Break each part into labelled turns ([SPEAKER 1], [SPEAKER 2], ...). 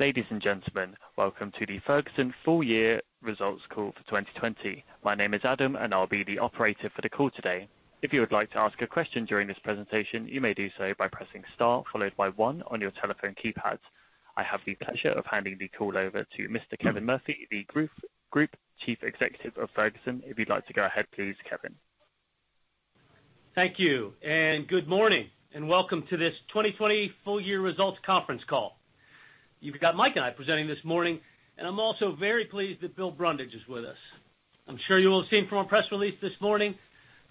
[SPEAKER 1] Ladies and gentlemen, welcome to the Ferguson full year results call for 2020. My name is Adam, and I'll be the operator for the call today. If you would like to ask a question during this presentation, you may do so by pressing star 1 on your telephone keypad. I have the pleasure of handing the call over to Mr. Kevin Murphy, the Group Chief Executive of Ferguson. If you'd like to go ahead, please, Kevin.
[SPEAKER 2] Thank you. Good morning, and welcome to this 2020 full year results conference call. You've got Mike and I presenting this morning. I'm also very pleased that Bill Brundage is with us. I'm sure you will have seen from our press release this morning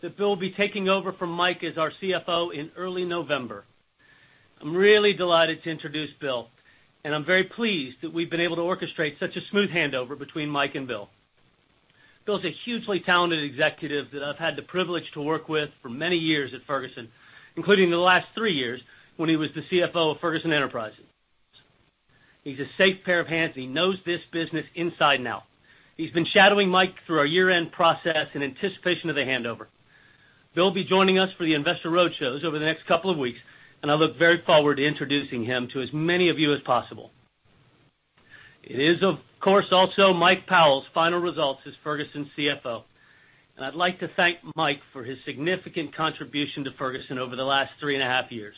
[SPEAKER 2] that Bill will be taking over from Mike as our CFO in early November. I'm really delighted to introduce Bill. I'm very pleased that we've been able to orchestrate such a smooth handover between Mike and Bill. Bill's a hugely talented executive that I've had the privilege to work with for many years at Ferguson, including the last three years when he was the CFO of Ferguson Enterprises. He's a safe pair of hands. He knows this business inside and out. He's been shadowing Mike through our year-end process in anticipation of the handover. Bill will be joining us for the investor roadshows over the next couple of weeks, and I look very forward to introducing him to as many of you as possible. It is, of course, also Mike Powell's final results as Ferguson's CFO, and I'd like to thank Mike for his significant contribution to Ferguson over the last three and a half years.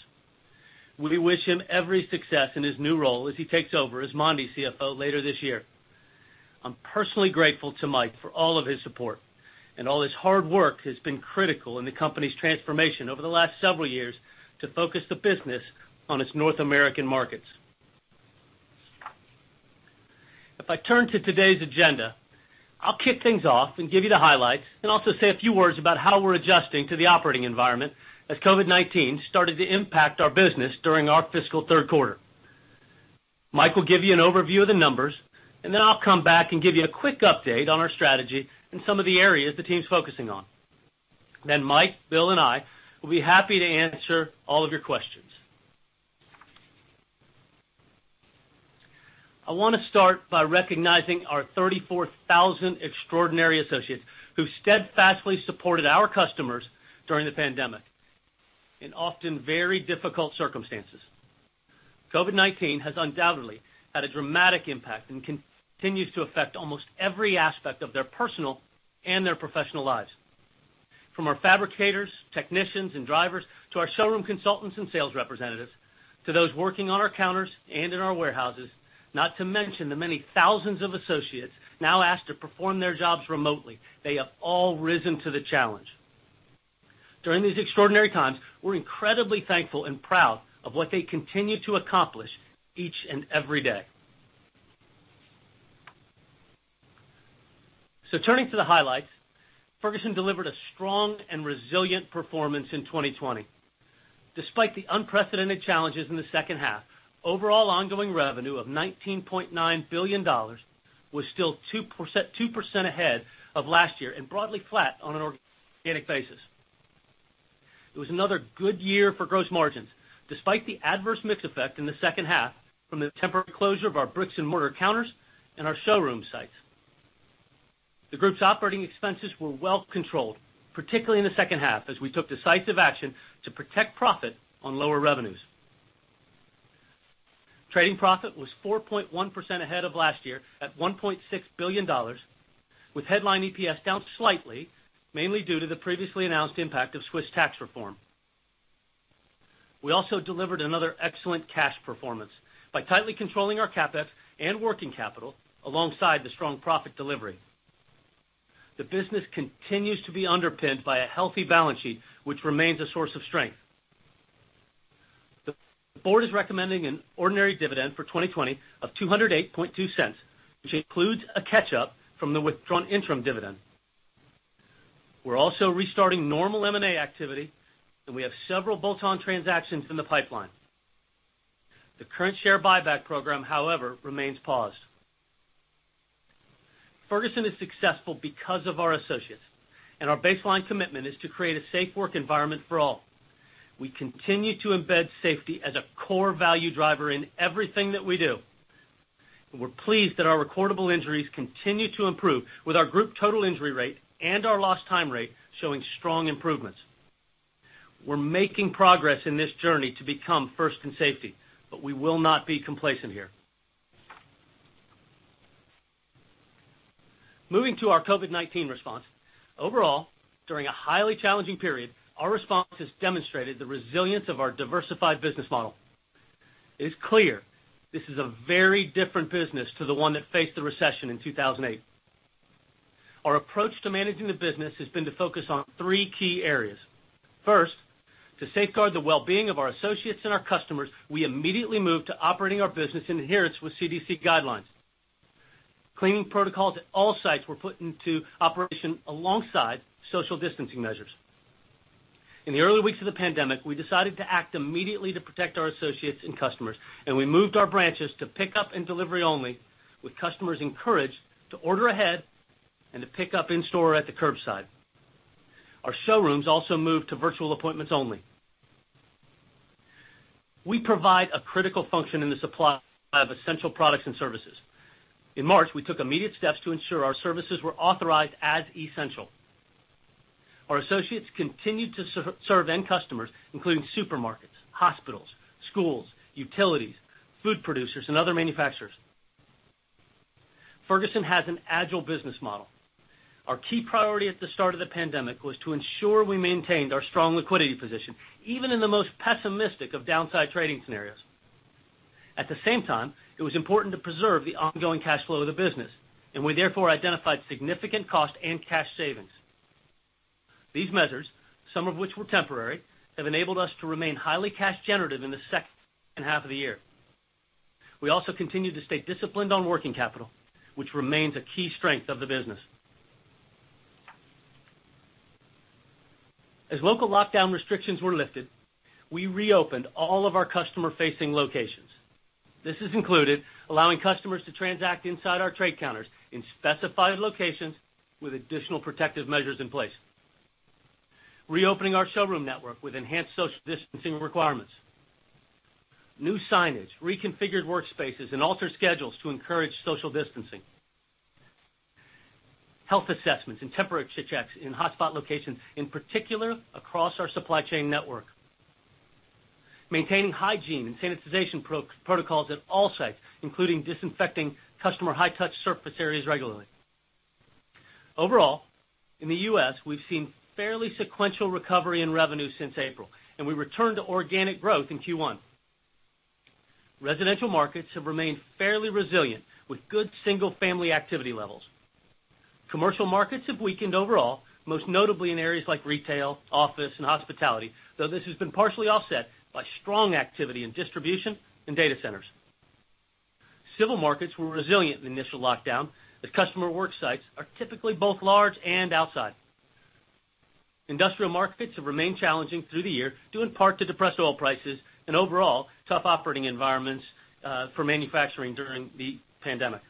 [SPEAKER 2] We wish him every success in his new role as he takes over as Mondi CFO later this year. I'm personally grateful to Mike for all of his support, and all his hard work has been critical in the company's transformation over the last several years to focus the business on its North American markets. If I turn to today's agenda, I'll kick things off and give you the highlights and also say a few words about how we're adjusting to the operating environment as COVID-19 started to impact our business during our fiscal third quarter. Mike will give you an overview of the numbers, and I'll come back and give you a quick update on our strategy and some of the areas the team's focusing on. Mike, Bill, and I will be happy to answer all of your questions. I want to start by recognizing our 34,000 extraordinary associates who steadfastly supported our customers during the pandemic in often very difficult circumstances. COVID-19 has undoubtedly had a dramatic impact and continues to affect almost every aspect of their personal and their professional lives. From our fabricators, technicians, and drivers to our showroom consultants and sales representatives to those working on our counters and in our warehouses, not to mention the many thousands of associates now asked to perform their jobs remotely, they have all risen to the challenge. During these extraordinary times, we're incredibly thankful and proud of what they continue to accomplish each and every day. Turning to the highlights, Ferguson delivered a strong and resilient performance in 2020. Despite the unprecedented challenges in the second half, overall ongoing revenue of $19.9 billion was still 2% ahead of last year and broadly flat on an organic basis. It was another good year for gross margins despite the adverse mix effect in the second half from the temporary closure of our bricks-and-mortar counters and our showroom sites. The group's operating expenses were well controlled, particularly in the second half as we took decisive action to protect profit on lower revenues. Trading profit was 4.1% ahead of last year at $1.6 billion with headline EPS down slightly, mainly due to the previously announced impact of Swiss tax reform. We also delivered another excellent cash performance by tightly controlling our CapEx and working capital alongside the strong profit delivery. The business continues to be underpinned by a healthy balance sheet, which remains a source of strength. The board is recommending an ordinary dividend for 2020 of $2.082, which includes a catch-up from the withdrawn interim dividend. We're also restarting normal M&A activity, and we have several bolt-on transactions in the pipeline. The current share buyback program, however, remains paused. Ferguson is successful because of our associates, and our baseline commitment is to create a safe work environment for all. We continue to embed safety as a core value driver in everything that we do. We're pleased that our recordable injuries continue to improve with our group total injury rate and our lost time rate showing strong improvements. We're making progress in this journey to become first in safety, but we will not be complacent here. Moving to our COVID-19 response. Overall, during a highly challenging period, our response has demonstrated the resilience of our diversified business model. It is clear this is a very different business to the one that faced the recession in 2008. Our approach to managing the business has been to focus on three key areas. First, to safeguard the well-being of our associates and our customers, we immediately moved to operating our business in adherence with CDC guidelines. Cleaning protocols at all sites were put into operation alongside social distancing measures. In the early weeks of the pandemic, we decided to act immediately to protect our associates and customers, and we moved our branches to pick-up and delivery only, with customers encouraged to order ahead and to pick up in store or at the curbside. Our showrooms also moved to virtual appointments only. We provide a critical function in the supply of essential products and services. In March, we took immediate steps to ensure our services were authorized as essential. Our associates continued to serve end customers, including supermarkets, hospitals, schools, utilities, food producers and other manufacturers. Ferguson has an agile business model. Our key priority at the start of the pandemic was to ensure we maintained our strong liquidity position, even in the most pessimistic of downside trading scenarios. At the same time, it was important to preserve the ongoing cash flow of the business, and we therefore identified significant cost and cash savings. These measures, some of which were temporary, have enabled us to remain highly cash generative in the second half of the year. We also continued to stay disciplined on working capital, which remains a key strength of the business. As local lockdown restrictions were lifted, we reopened all of our customer-facing locations. This has included allowing customers to transact inside our trade counters in specified locations with additional protective measures in place. Reopening our showroom network with enhanced social distancing requirements. New signage, reconfigured workspaces, and altered schedules to encourage social distancing. Health assessments and temporary checks in hotspot locations, in particular across our supply chain network. Maintaining hygiene and sanitization pro-protocols at all sites, including disinfecting customer high-touch surface areas regularly. Overall, in the U.S., we've seen fairly sequential recovery in revenue since April, and we returned to organic growth in Q1. Residential markets have remained fairly resilient with good single-family activity levels. Commercial markets have weakened overall, most notably in areas like retail, office and hospitality, though this has been partially offset by strong activity in distribution and data centers. Civil markets were resilient in the initial lockdown, as customer work sites are typically both large and outside. Industrial markets have remained challenging through the year, due in part to depressed oil prices and overall tough operating environments for manufacturing during the pandemic.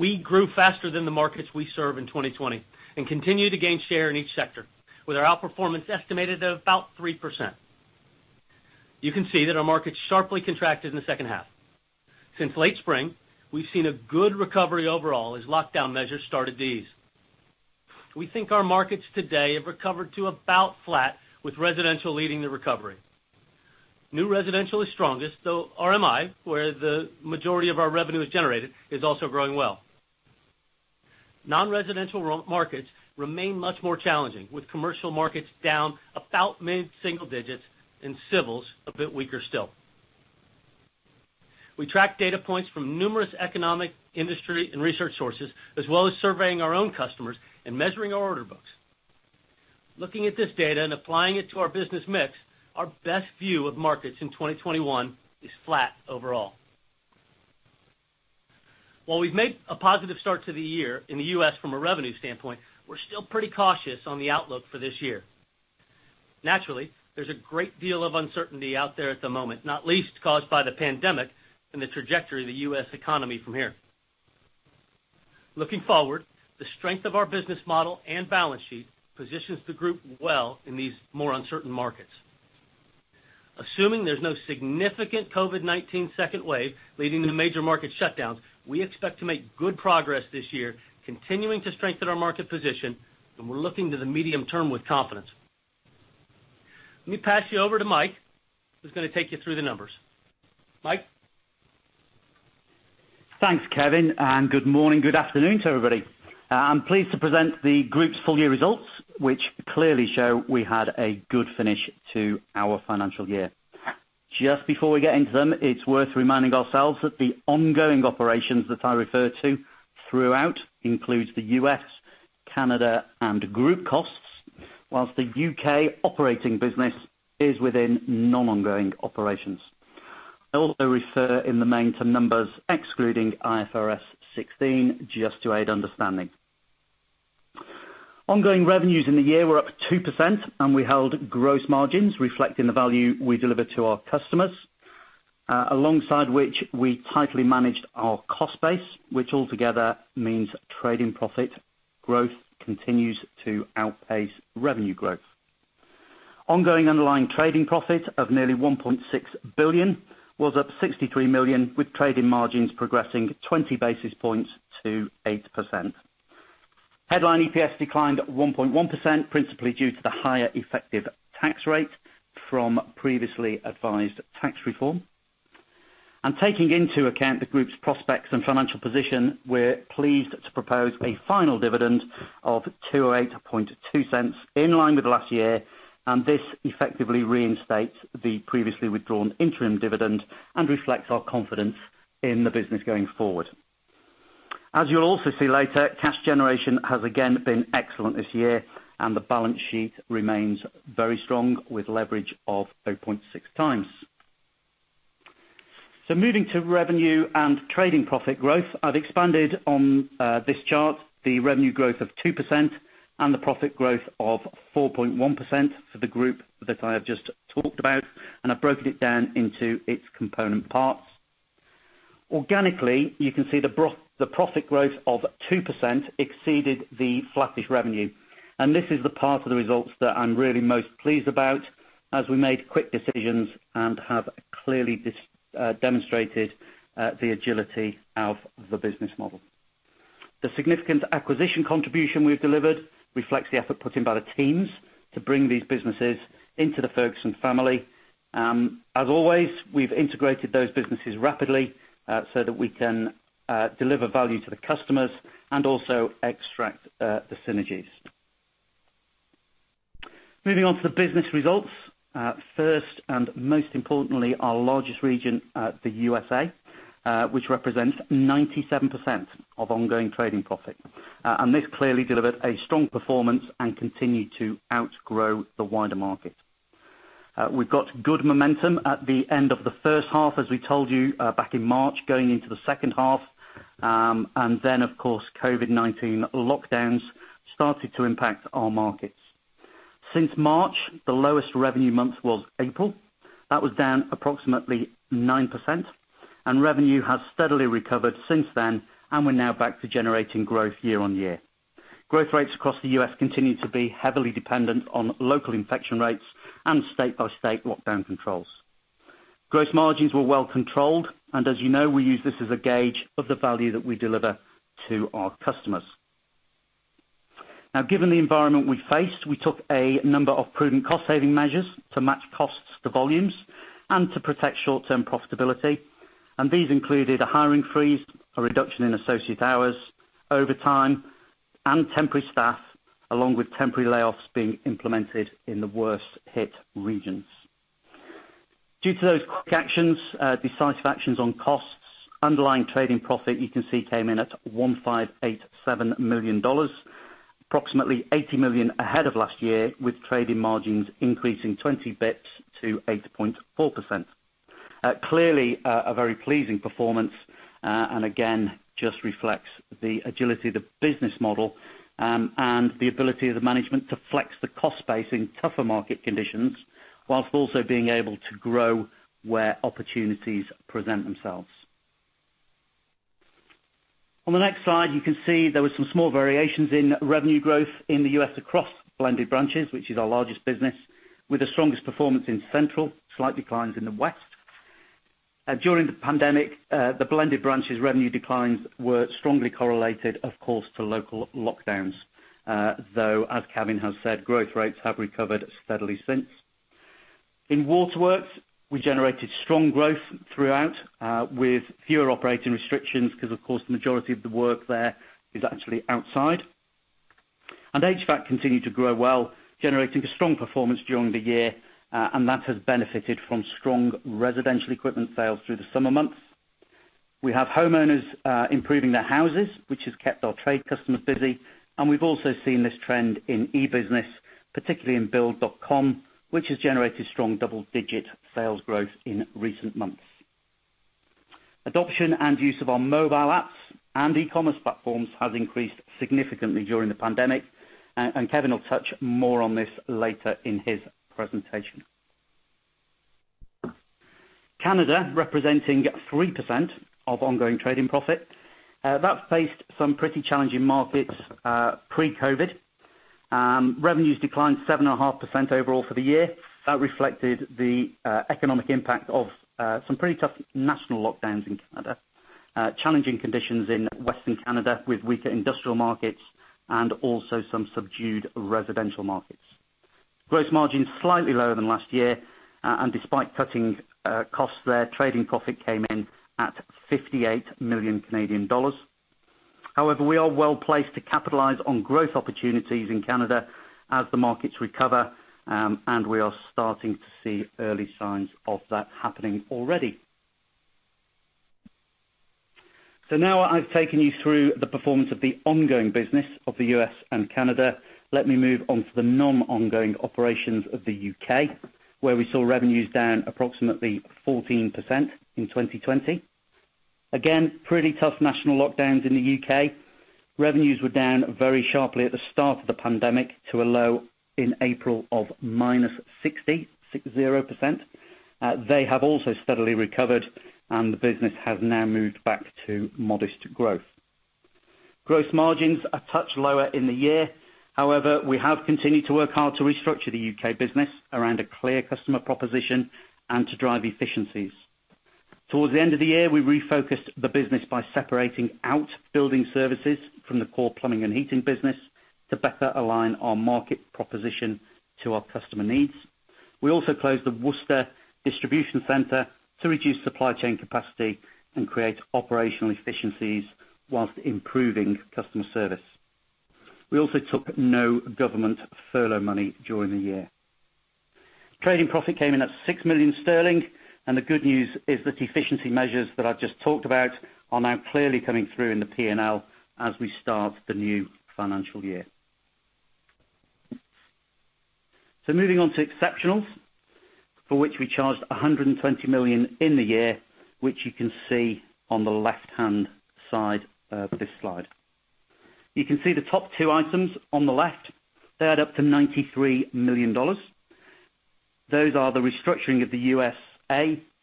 [SPEAKER 2] We grew faster than the markets we serve in 2020 and continue to gain share in each sector, with our outperformance estimated at about 3%. You can see that our markets sharply contracted in the second half. Since late spring, we've seen a good recovery overall as lockdown measures started to ease. We think our markets today have recovered to about flat with residential leading the recovery. New residential is strongest, though RMI, where the majority of our revenue is generated, is also growing well. Non-residential markets remain much more challenging, with commercial markets down about mid-single digits and civils a bit weaker still. We track data points from numerous economic, industry, and research sources, as well as surveying our own customers and measuring our order books. Looking at this data and applying it to our business mix, our best view of markets in 2021 is flat overall. While we've made a positive start to the year in the U.S. from a revenue standpoint, we're still pretty cautious on the outlook for this year. Naturally, there's a great deal of uncertainty out there at the moment, not least caused by the pandemic and the trajectory of the U.S. economy from here. Looking forward, the strength of our business model and balance sheet positions the group well in these more uncertain markets. Assuming there's no significant COVID-19 second wave leading to major market shutdowns, we expect to make good progress this year, continuing to strengthen our market position, and we're looking to the medium term with confidence. Let me pass you over to Mike, who's gonna take you through the numbers. Mike?
[SPEAKER 3] Thanks, Kevin. Good morning, good afternoon to everybody. I am pleased to present the Group's full year results, which clearly show we had a good finish to our financial year. Just before we get into them, it is worth reminding ourselves that the ongoing operations that I refer to throughout includes the U.S., Canada, and Group costs, whilst the U.K. operating business is within non-ongoing operations. I also refer in the main to numbers excluding IFRS 16, just to aid understanding. Ongoing revenues in the year were up 2%. We held gross margins reflecting the value we deliver to our customers, alongside which we tightly managed our cost base, which altogether means trading profit growth continues to outpace revenue growth. Ongoing underlying trading profit of nearly $1.6 billion was up $63 million, with trading margins progressing 20 basis points to 8%. Headline EPS declined 1.1%, principally due to the higher effective tax rate from previously advised tax reform. Taking into account the group's prospects and financial position, we're pleased to propose a final dividend of $2.082, in line with last year. This effectively reinstates the previously withdrawn interim dividend and reflects our confidence in the business going forward. As you'll also see later, cash generation has again been excellent this year, and the balance sheet remains very strong, with leverage of 0.6x. Moving to revenue and trading profit growth, I've expanded on this chart the revenue growth of 2% and the profit growth of 4.1% for the group that I have just talked about, and I've broken it down into its component parts. Organically, you can see the profit growth of 2% exceeded the flattish revenue. This is the part of the results that I'm really most pleased about as we made quick decisions and have clearly demonstrated the agility of the business model. The significant acquisition contribution we've delivered reflects the effort put in by the teams to bring these businesses into the Ferguson family. As always, we've integrated those businesses rapidly so that we can deliver value to the customers and also extract the synergies. Moving on to the business results. First and most importantly, our largest region, the USA, which represents 97% of ongoing trading profit. This clearly delivered a strong performance and continued to outgrow the wider market. We've got good momentum at the end of the first half, as we told you, back in March, going into the second half, of course, COVID-19 lockdowns started to impact our markets. Since March, the lowest revenue month was April. That was down approximately 9%, revenue has steadily recovered since then, and we're now back to generating growth year-on-year. Growth rates across the U.S. continue to be heavily dependent on local infection rates and state-by-state lockdown controls. Gross margins were well-controlled, as you know, we use this as a gauge of the value that we deliver to our customers. Now, given the environment we faced, we took a number of prudent cost-saving measures to match costs to volumes and to protect short-term profitability, and these included a hiring freeze, a reduction in associate hours, overtime, and temporary staff, along with temporary layoffs being implemented in the worst-hit regions. Due to those quick actions, decisive actions on costs, underlying trading profit, you can see, came in at $1,587 million, approximately $80 million ahead of last year, with trading margins increasing 20 basis points to 8.4%. Clearly, a very pleasing performance, and again, just reflects the agility of the business model, and the ability of the management to flex the cost base in tougher market conditions while also being able to grow where opportunities present themselves. On the next slide, you can see there were some small variations in revenue growth in the U.S. across Blended Branches, which is our largest business, with the strongest performance in Central, slight declines in the West. During the pandemic, the Blended Branches revenue declines were strongly correlated, of course, to local lockdowns. Though, as Kevin has said, growth rates have recovered steadily since. In Waterworks, we generated strong growth throughout, with fewer operating restrictions because, of course, the majority of the work there is actually outside. HVAC continued to grow well, generating a strong performance during the year, and that has benefited from strong residential equipment sales through the summer months. We have homeowners improving their houses, which has kept our trade customers busy, and we've also seen this trend in e-business, particularly in Build.com, which has generated strong double-digit sales growth in recent months. Adoption and use of our mobile apps and e-commerce platforms has increased significantly during the pandemic, and Kevin will touch more on this later in his presentation. Canada, representing 3% of ongoing trading profit, that's faced some pretty challenging markets pre-COVID. Revenues declined 7.5% overall for the year. That reflected the economic impact of some pretty tough national lockdowns in Canada, challenging conditions in Western Canada with weaker industrial markets and also some subdued residential markets. Gross margin is slightly lower than last year, and despite cutting costs there, trading profit came in at 58 million Canadian dollars. However, we are well-placed to capitalize on growth opportunities in Canada as the markets recover, and we are starting to see early signs of that happening already. I've taken you through the performance of the ongoing business of the U.S. and Canada. Let me move on to the non-ongoing operations of the U.K., where we saw revenues down approximately 14% in 2020. Again, pretty tough national lockdowns in the U.K. Revenues were down very sharply at the start of the pandemic to a low in April of -60%. They have also steadily recovered, and the business has now moved back to modest growth. Gross margins a touch lower in the year. However, we have continued to work hard to restructure the U.K. business around a clear customer proposition and to drive efficiencies. Towards the end of the year, we refocused the business by separating out Building Services from the core Plumbing and Heating business to better align our market proposition to our customer needs. We also closed the Worcester distribution center to reduce supply chain capacity and create operational efficiencies whilst improving customer service. We also took no government furlough money during the year. Trading profit came in at 6 million sterling. The good news is that efficiency measures that I've just talked about are now clearly coming through in the P&L as we start the new financial year. Moving on to exceptionals, for which we charged $120 million in the year, which you can see on the left-hand side of this slide. You can see the top 2 items on the left. They add up to $93 million. Those are the restructuring of the U.S.A.,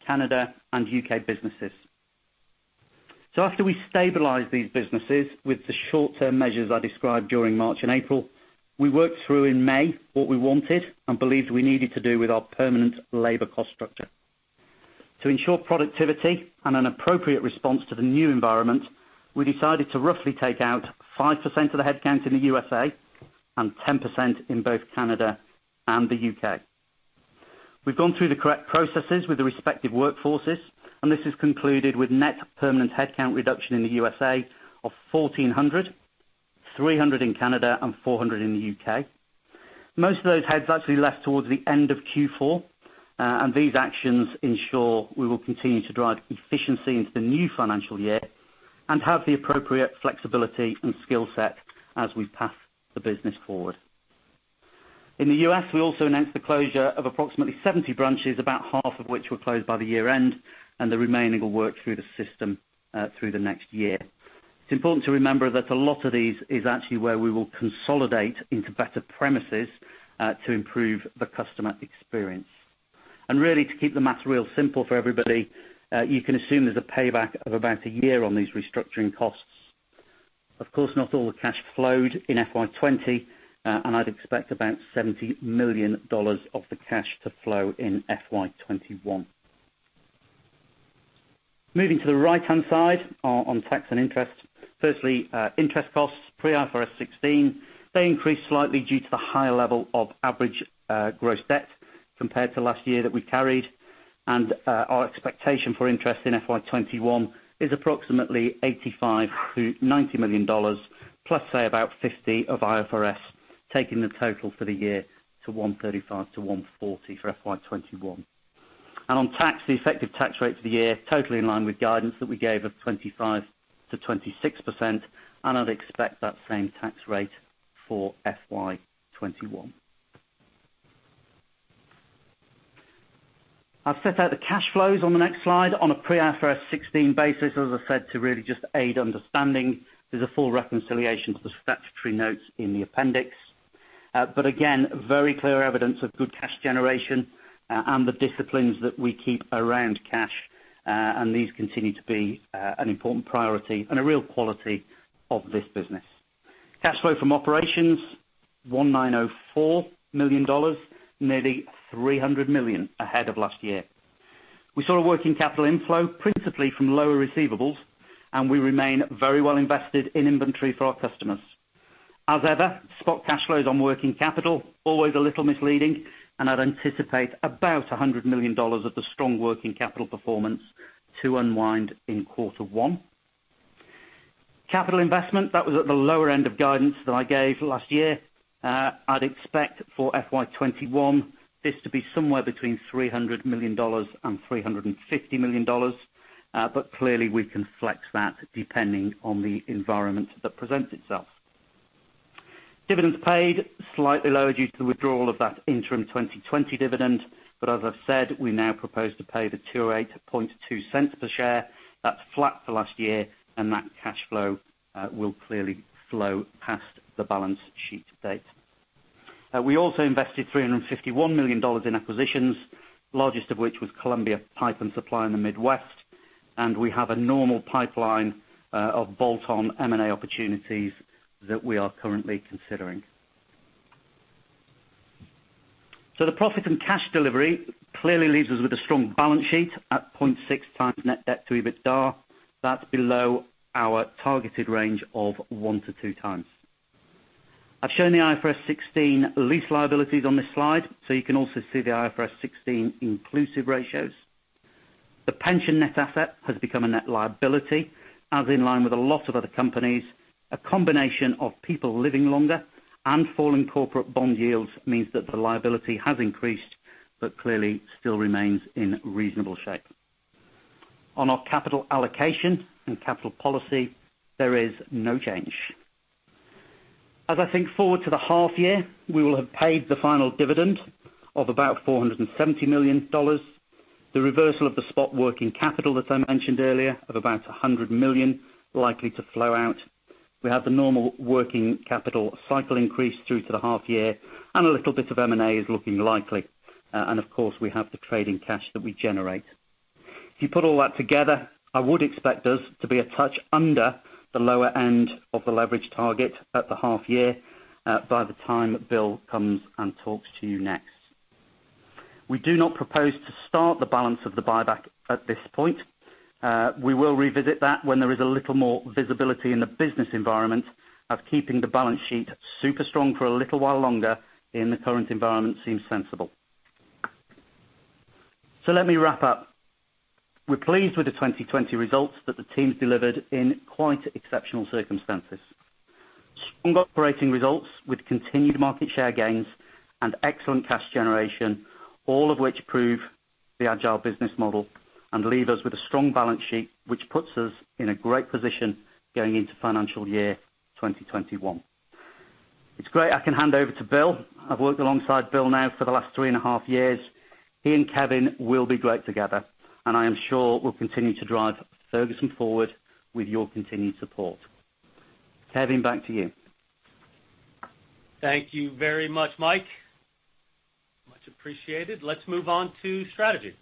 [SPEAKER 3] Canada, and U.K. businesses. After we stabilize these businesses with the short-term measures I described during March and April, we worked through in May what we wanted and believed we needed to do with our permanent labor cost structure. To ensure productivity and an appropriate response to the new environment, we decided to roughly take out 5% of the headcount in the U.S.A. and 10% in both Canada and the U.K. We've gone through the correct processes with the respective workforces, and this is concluded with net permanent headcount reduction in the U.S.A. of 1,400, 300 in Canada and 400 in the U.K. Most of those heads actually left towards the end of Q4, and these actions ensure we will continue to drive efficiency into the new financial year and have the appropriate flexibility and skill set as we path the business forward. In the U.S., we also announced the closure of approximately 70 branches, about half of which were closed by the year-end, and the remaining will work through the system through the next year. It's important to remember that a lot of these is actually where we will consolidate into better premises to improve the customer experience. Really to keep the math real simple for everybody, you can assume there's a payback of about one year on these restructuring costs. Of course, not all the cash flowed in FY 2020, and I'd expect about $70 million of the cash to flow in FY 2021. Moving to the right-hand side on tax and interest. Firstly, interest costs pre IFRS 16, they increased slightly due to the higher level of average gross debt compared to last year that we carried. Our expectation for interest in FY 2021 is approximately $85 million-$90 million plus say about $50 million of IFRS, taking the total for the year to $135 million-$140 million for FY 2021. On tax, the effective tax rate for the year totally in line with guidance that we gave of 25%-26%, and I'd expect that same tax rate for FY 2021. I've set out the cash flows on the next slide on a pre IFRS 16 basis, as I said, to really just aid understanding. There's a full reconciliation to the statutory notes in the appendix. Again, very clear evidence of good cash generation, and the disciplines that we keep around cash, and these continue to be an important priority and a real quality of this business. Cash flow from operations, $1,904 million, nearly $300 million ahead of last year. We saw a working capital inflow principally from lower receivables, and we remain very well invested in inventory for our customers. As ever, spot cash flows on working capital, always a little misleading, and I'd anticipate about $100 million of the strong working capital performance to unwind in quarter one. Capital investment, that was at the lower end of guidance that I gave last year. I'd expect for FY 2021 this to be somewhere between $300 million-$350 million. Clearly we can flex that depending on the environment that presents itself. Dividends paid slightly lower due to the withdrawal of that interim 2020 dividend. As I've said, we now propose to pay the $2.082 per share. That's flat for last year, that cash flow will clearly flow past the balance sheet to date. We also invested $351 million in acquisitions, largest of which was Columbia Pipe & Supply in the Midwest. We have a normal pipeline of bolt-on M&A opportunities that we are currently considering. The profit and cash delivery clearly leaves us with a strong balance sheet at 0.6x net debt to EBITDA. That's below our targeted range of 1x-2x. I've shown the IFRS 16 lease liabilities on this slide, so you can also see the IFRS 16 inclusive ratios. The pension net asset has become a net liability, as in line with a lot of other companies. A combination of people living longer and falling corporate bond yields means that the liability has increased, but clearly still remains in reasonable shape. On our capital allocation and capital policy, there is no change. As I think forward to the half year, we will have paid the final dividend of about $470 million. The reversal of the spot working capital that I mentioned earlier of about $100 million likely to flow out. We have the normal working capital cycle increase through to the half year and a little bit of M&A is looking likely. Of course, we have the trading cash that we generate. If you put all that together, I would expect us to be a touch under the lower end of the leverage target at the half year by the time Bill comes and talks to you next. We do not propose to start the balance of the buyback at this point. We will revisit that when there is a little more visibility in the business environment of keeping the balance sheet super strong for a little while longer in the current environment seems sensible. Let me wrap up. We're pleased with the 2020 results that the team's delivered in quite exceptional circumstances. Strong operating results with continued market share gains and excellent cash generation, all of which prove the agile business model and leave us with a strong balance sheet, which puts us in a great position going into financial year 2021. It's great. I can hand over to Bill. I've worked alongside Bill now for the last three and a half years. He and Kevin will be great together, and I am sure will continue to drive Ferguson forward with your continued support. Kevin, back to you.
[SPEAKER 2] Thank you very much, Mike. Much appreciated. Let's move on to strategy.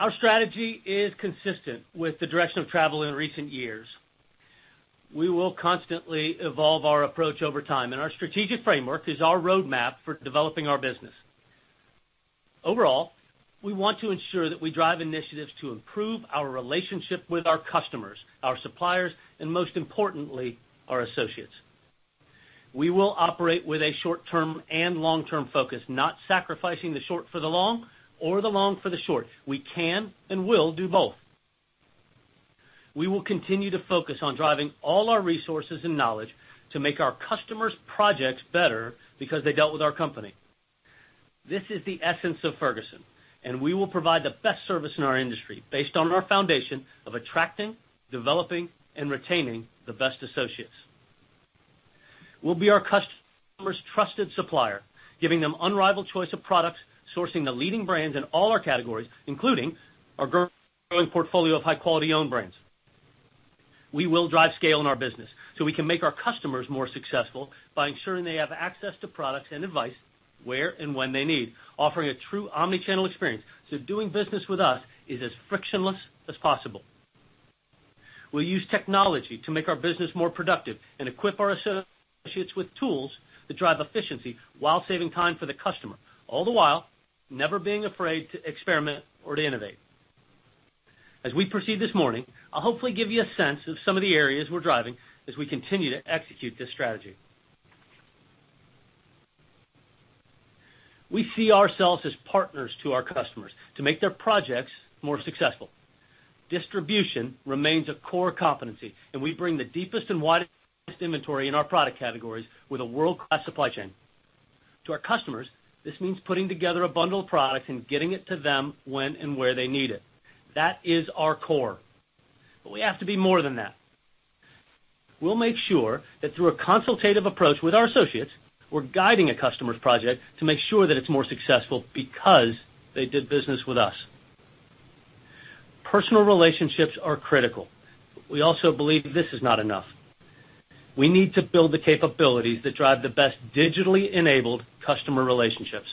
[SPEAKER 2] Our strategy is consistent with the direction of travel in recent years. We will constantly evolve our approach over time, and our strategic framework is our roadmap for developing our business. Overall, we want to ensure that we drive initiatives to improve our relationship with our customers, our suppliers, and most importantly, our associates. We will operate with a short-term and long-term focus, not sacrificing the short for the long or the long for the short. We can and will do both. We will continue to focus on driving all our resources and knowledge to make our customers' projects better because they dealt with our company. This is the essence of Ferguson, and we will provide the best service in our industry based on our foundation of attracting, developing, and retaining the best associates. We'll be our customers' trusted supplier, giving them unrivaled choice of products, sourcing the leading brands in all our categories, including our growing portfolio of high-quality own brands. We will drive scale in our business so we can make our customers more successful by ensuring they have access to products and advice where and when they need, offering a true omnichannel experience, so doing business with us is as frictionless as possible. We'll use technology to make our business more productive and equip our associates with tools that drive efficiency while saving time for the customer, all the while never being afraid to experiment or to innovate. As we proceed this morning, I'll hopefully give you a sense of some of the areas we're driving as we continue to execute this strategy. We see ourselves as partners to our customers to make their projects more successful. Distribution remains a core competency, and we bring the deepest and widest inventory in our product categories with a world-class supply chain. To our customers, this means putting together a bundle of products and getting it to them when and where they need it. That is our core. We have to be more than that. We'll make sure that through a consultative approach with our associates, we're guiding a customer's project to make sure that it's more successful because they did business with us. Personal relationships are critical. We also believe this is not enough. We need to build the capabilities that drive the best digitally enabled customer relationships.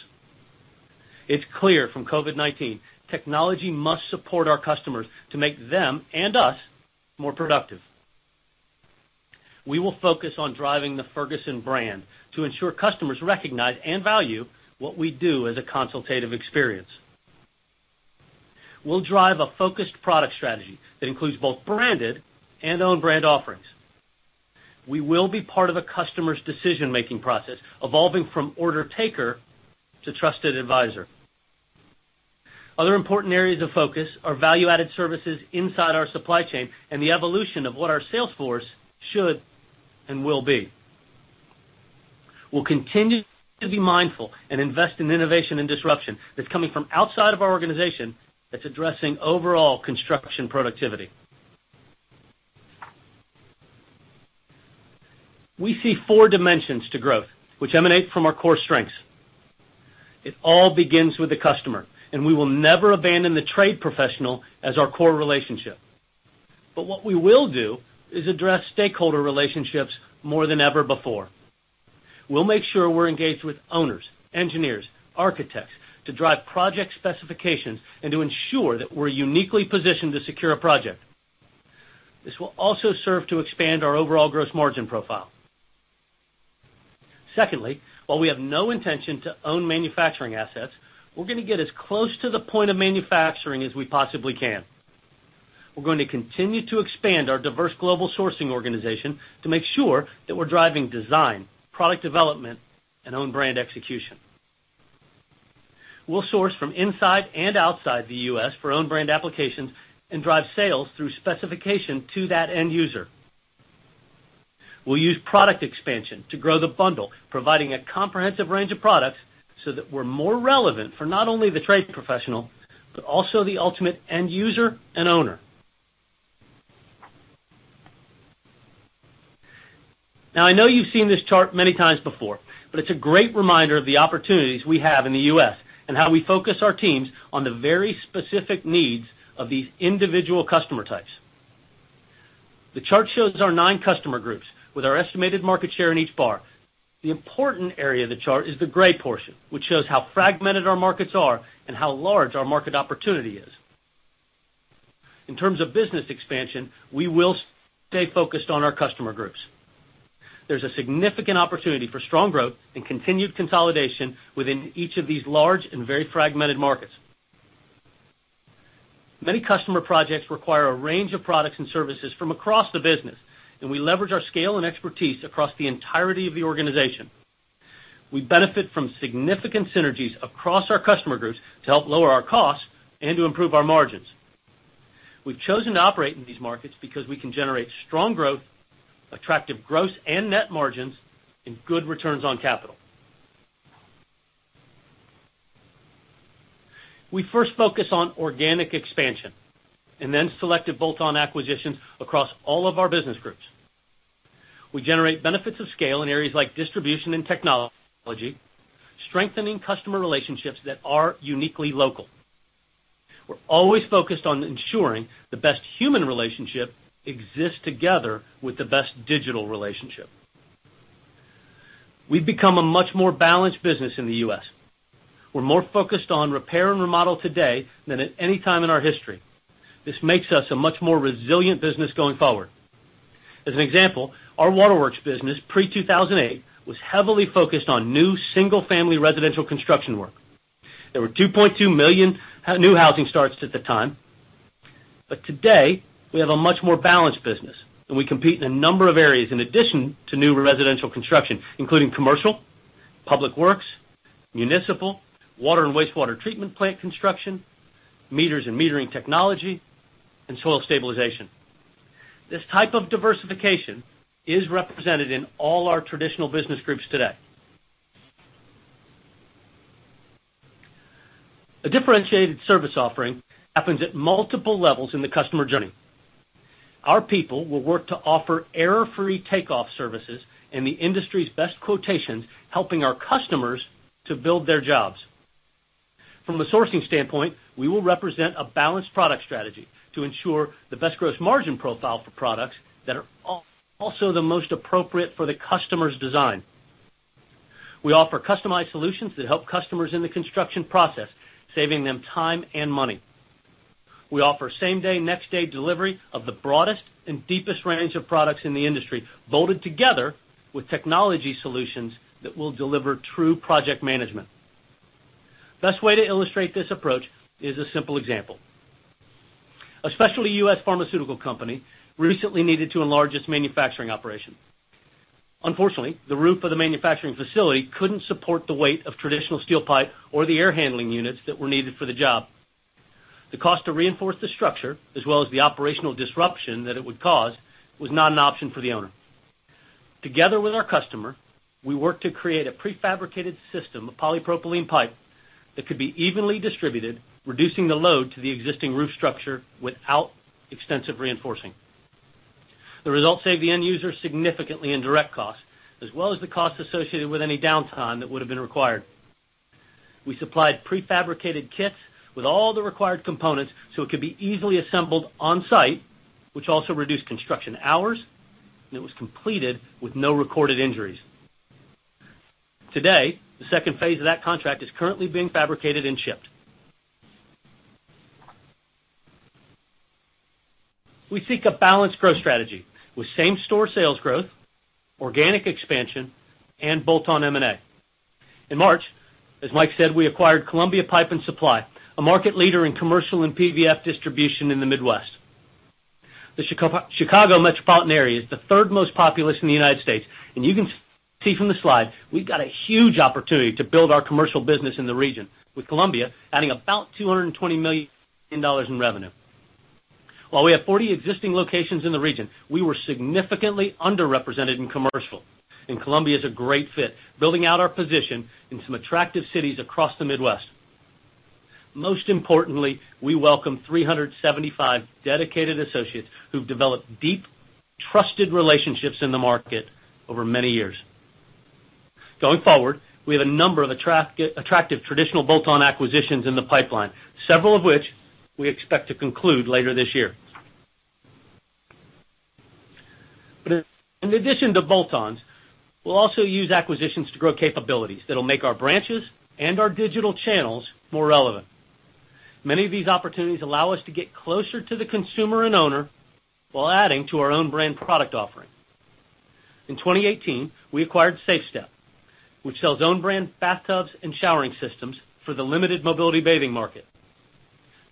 [SPEAKER 2] It's clear from COVID-19, technology must support our customers to make them and us more productive. We will focus on driving the Ferguson brand to ensure customers recognize and value what we do as a consultative experience. We'll drive a focused product strategy that includes both branded and own brand offerings. We will be part of a customer's decision-making process, evolving from order taker to trusted advisor. Other important areas of focus are value-added services inside our supply chain and the evolution of what our sales force should and will be. We'll continue to be mindful and invest in innovation and disruption that's coming from outside of our organization that's addressing overall construction productivity. We see fourdimensions to growth, which emanate from our core strengths. It all begins with the customer, and we will never abandon the trade professional as our core relationship. What we will do is address stakeholder relationships more than ever before. We'll make sure we're engaged with owners, engineers, architects to drive project specifications and to ensure that we're uniquely positioned to secure a project. This will also serve to expand our overall gross margin profile. Secondly, while we have no intention to own manufacturing assets, we're gonna get as close to the point of manufacturing as we possibly can. We're going to continue to expand our diverse global sourcing organization to make sure that we're driving design, product development, and own brand execution. We'll source from inside and outside the U.S. for own brand applications and drive sales through specification to that end user. We'll use product expansion to grow the bundle, providing a comprehensive range of products so that we're more relevant for not only the trade professional, but also the ultimate end user and owner. Now, I know you've seen this chart many times before, but it's a great reminder of the opportunities we have in the U.S. and how we focus our teams on the very specific needs of these individual customer types. The chart shows our nine customer groups with our estimated market share in each bar. The important area of the chart is the gray portion, which shows how fragmented our markets are and how large our market opportunity is. In terms of business expansion, we will stay focused on our customer groups. There's a significant opportunity for strong growth and continued consolidation within each of these large and very fragmented markets. Many customer projects require a range of products and services from across the business, and we leverage our scale and expertise across the entirety of the organization. We benefit from significant synergies across our customer groups to help lower our costs and to improve our margins. We've chosen to operate in these markets because we can generate strong growth, attractive gross and net margins, and good returns on capital. We first focus on organic expansion and then selective bolt-on acquisitions across all of our business groups. We generate benefits of scale in areas like distribution and technology, strengthening customer relationships that are uniquely local. We're always focused on ensuring the best human relationship exists together with the best digital relationship. We've become a much more balanced business in the U.S. We're more focused on repair and remodel today than at any time in our history. This makes us a much more resilient business going forward. As an example, our Waterworks business pre-2008 was heavily focused on new single-family residential construction work. There were 2.2 million new housing starts at the time. Today, we have a much more balanced business, and we compete in a number of areas in addition to new residential construction, including commercial, public works, municipal, water and wastewater treatment plant construction, meters and metering technology, and soil stabilization. This type of diversification is represented in all our traditional business groups today. A differentiated service offering happens at multiple levels in the customer journey. Our people will work to offer error-free takeoff services and the industry's best quotations, helping our customers to build their jobs. From a sourcing standpoint, we will represent a balanced product strategy to ensure the best gross margin profile for products that are also the most appropriate for the customer's design. We offer customized solutions that help customers in the construction process, saving them time and money. We offer same-day, next-day delivery of the broadest and deepest range of products in the industry, bolted together with technology solutions that will deliver true project management. Best way to illustrate this approach is a simple example. A specialty U.S. pharmaceutical company recently needed to enlarge its manufacturing operation. Unfortunately, the roof of the manufacturing facility couldn't support the weight of traditional steel pipe or the air handling units that were needed for the job. The cost to reinforce the structure, as well as the operational disruption that it would cause, was not an option for the owner. Together with our customer, we worked to create a prefabricated system of polypropylene pipe that could be evenly distributed, reducing the load to the existing roof structure without extensive reinforcing. The result saved the end user significantly in direct cost, as well as the cost associated with any downtime that would have been required. We supplied prefabricated kits with all the required components so it could be easily assembled on-site, which also reduced construction hours, and it was completed with no recorded injuries. Today, the second phase of that contract is currently being fabricated and shipped. We seek a balanced growth strategy with same-store sales growth, organic expansion, and bolt-on M&A. In March, as Mike said, we acquired Columbia Pipe & Supply, a market leader in commercial and PVF distribution in the Midwest. The Chicago metropolitan area is the third most populous in the U.S. You can see from the slide, we've got a huge opportunity to build our commercial business in the region, with Columbia adding about $220 million in revenue. While we have 40 existing locations in the region, we were significantly underrepresented in commercial, and Columbia is a great fit, building out our position in some attractive cities across the Midwest. Most importantly, we welcome 375 dedicated associates who've developed deep, trusted relationships in the market over many years. Going forward, we have a number of attractive traditional bolt-on acquisitions in the pipeline, several of which we expect to conclude later this year. In addition to bolt-ons, we'll also use acquisitions to grow capabilities that'll make our branches and our digital channels more relevant. Many of these opportunities allow us to get closer to the consumer and owner while adding to our own brand product offering. In 2018, we acquired Safe Step, which sells own brand bathtubs and showering systems for the limited mobility bathing market.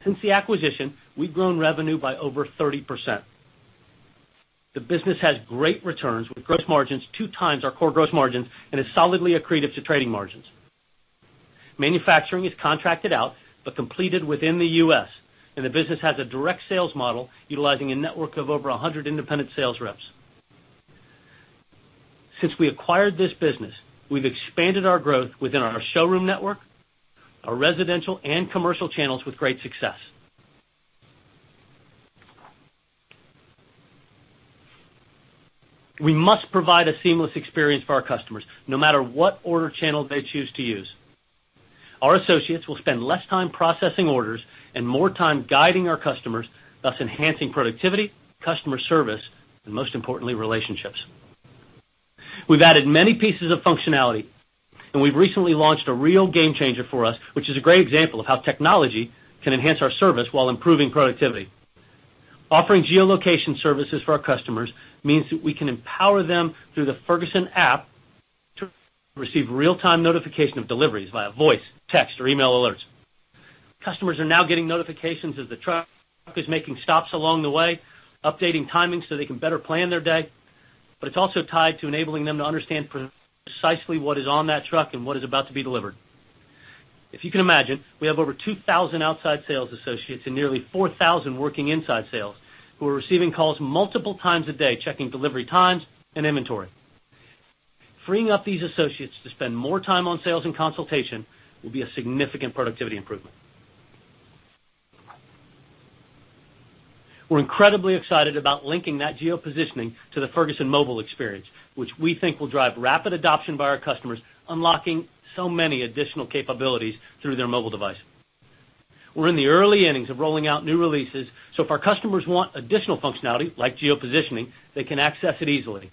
[SPEAKER 2] Since the acquisition, we've grown revenue by over 30%. The business has great returns with gross margins 2x our core gross margins and is solidly accretive to trading margins. Manufacturing is contracted out but completed within the U.S., and the business has a direct sales model utilizing a network of over 100 independent sales reps. Since we acquired this business, we've expanded our growth within our showroom network, our residential and commercial channels with great success. We must provide a seamless experience for our customers, no matter what order channel they choose to use. Our associates will spend less time processing orders and more time guiding our customers, thus enhancing productivity, customer service, and most importantly, relationships. We've added many pieces of functionality, and we've recently launched a real game changer for us, which is a great example of how technology can enhance our service while improving productivity. Offering geolocation services for our customers means that we can empower them through the Ferguson app to receive real-time notification of deliveries via voice, text, or email alerts. Customers are now getting notifications as the truck is making stops along the way, updating timing so they can better plan their day. It's also tied to enabling them to understand precisely what is on that truck and what is about to be delivered. If you can imagine, we have over 2,000 outside sales associates and nearly 4,000 working inside sales who are receiving calls multiple times a day checking delivery times and inventory. Freeing up these associates to spend more time on sales and consultation will be a significant productivity improvement. We're incredibly excited about linking that geo-positioning to the Ferguson mobile experience, which we think will drive rapid adoption by our customers, unlocking so many additional capabilities through their mobile device. We're in the early innings of rolling out new releases, so if our customers want additional functionality like geo-positioning, they can access it easily.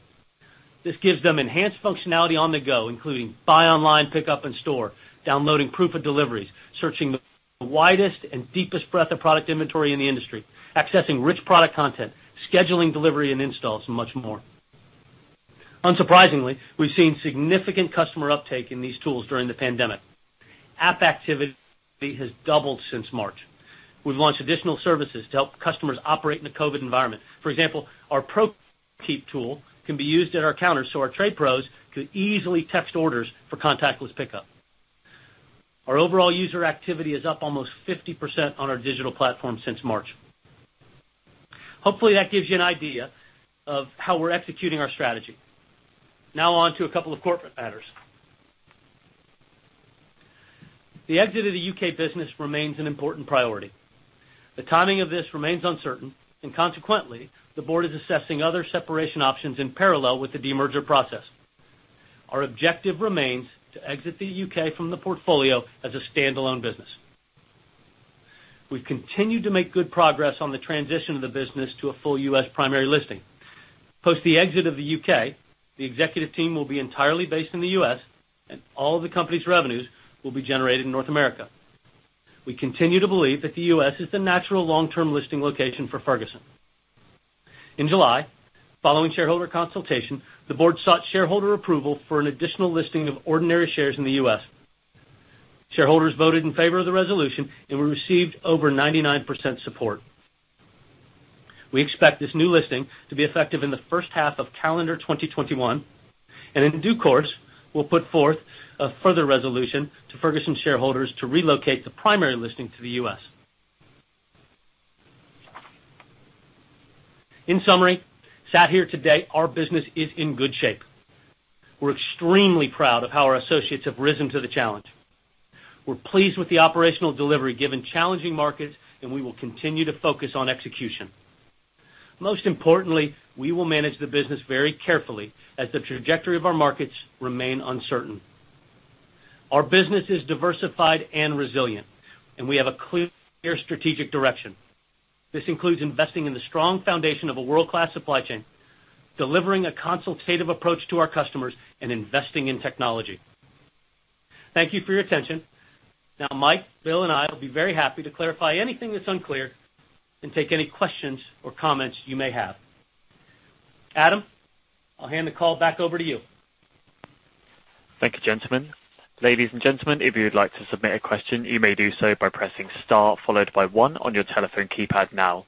[SPEAKER 2] This gives them enhanced functionality on the go, including buy online, pickup in store, downloading proof of deliveries, searching the widest and deepest breadth of product inventory in the industry, accessing rich product content, scheduling delivery and installs, and much more. Unsurprisingly, we've seen significant customer uptake in these tools during the pandemic. App activity has doubled since March. We've launched additional services to help customers operate in the COVID environment. For example, our Prokeep tool can be used at our counter so our trade pros could easily text orders for contactless pickup. Our overall user activity is up almost 50% on our digital platform since March. Hopefully, that gives you an idea of how we're executing our strategy. On to a couple of corporate matters. The exit of the U.K. business remains an important priority. The timing of this remains uncertain, and consequently, the board is assessing other separation options in parallel with the demerger process. Our objective remains to exit the U.K. from the portfolio as a standalone business. We've continued to make good progress on the transition of the business to a full U.S. primary listing. Post the exit of the U.K., the executive team will be entirely based in the U.S., and all the company's revenues will be generated in North America. We continue to believe that the U.S. is the natural long-term listing location for Ferguson. In July, following shareholder consultation, the board sought shareholder approval for an additional listing of ordinary shares in the U.S. Shareholders voted in favor of the resolution, and we received over 99% support. We expect this new listing to be effective in the first half of calendar 2021, and in due course, we'll put forth a further resolution to Ferguson shareholders to relocate the primary listing to the U.S. In summary, sat here today, our business is in good shape. We're extremely proud of how our associates have risen to the challenge. We're pleased with the operational delivery, given challenging markets, and we will continue to focus on execution. Most importantly, we will manage the business very carefully as the trajectory of our markets remain uncertain. Our business is diversified and resilient, and we have a clear strategic direction. This includes investing in the strong foundation of a world-class supply chain, delivering a consultative approach to our customers and investing in technology. Thank you for your attention. Now, Mike, Bill, and I will be very happy to clarify anything that's unclear and take any questions or comments you may have. Adam, I'll hand the call back over to you.
[SPEAKER 1] Thank you, gentlemen. Ladies and gentlemen, if you would like to submit a question, you may do so by pressing star followed by 1 on your telephone keypad now.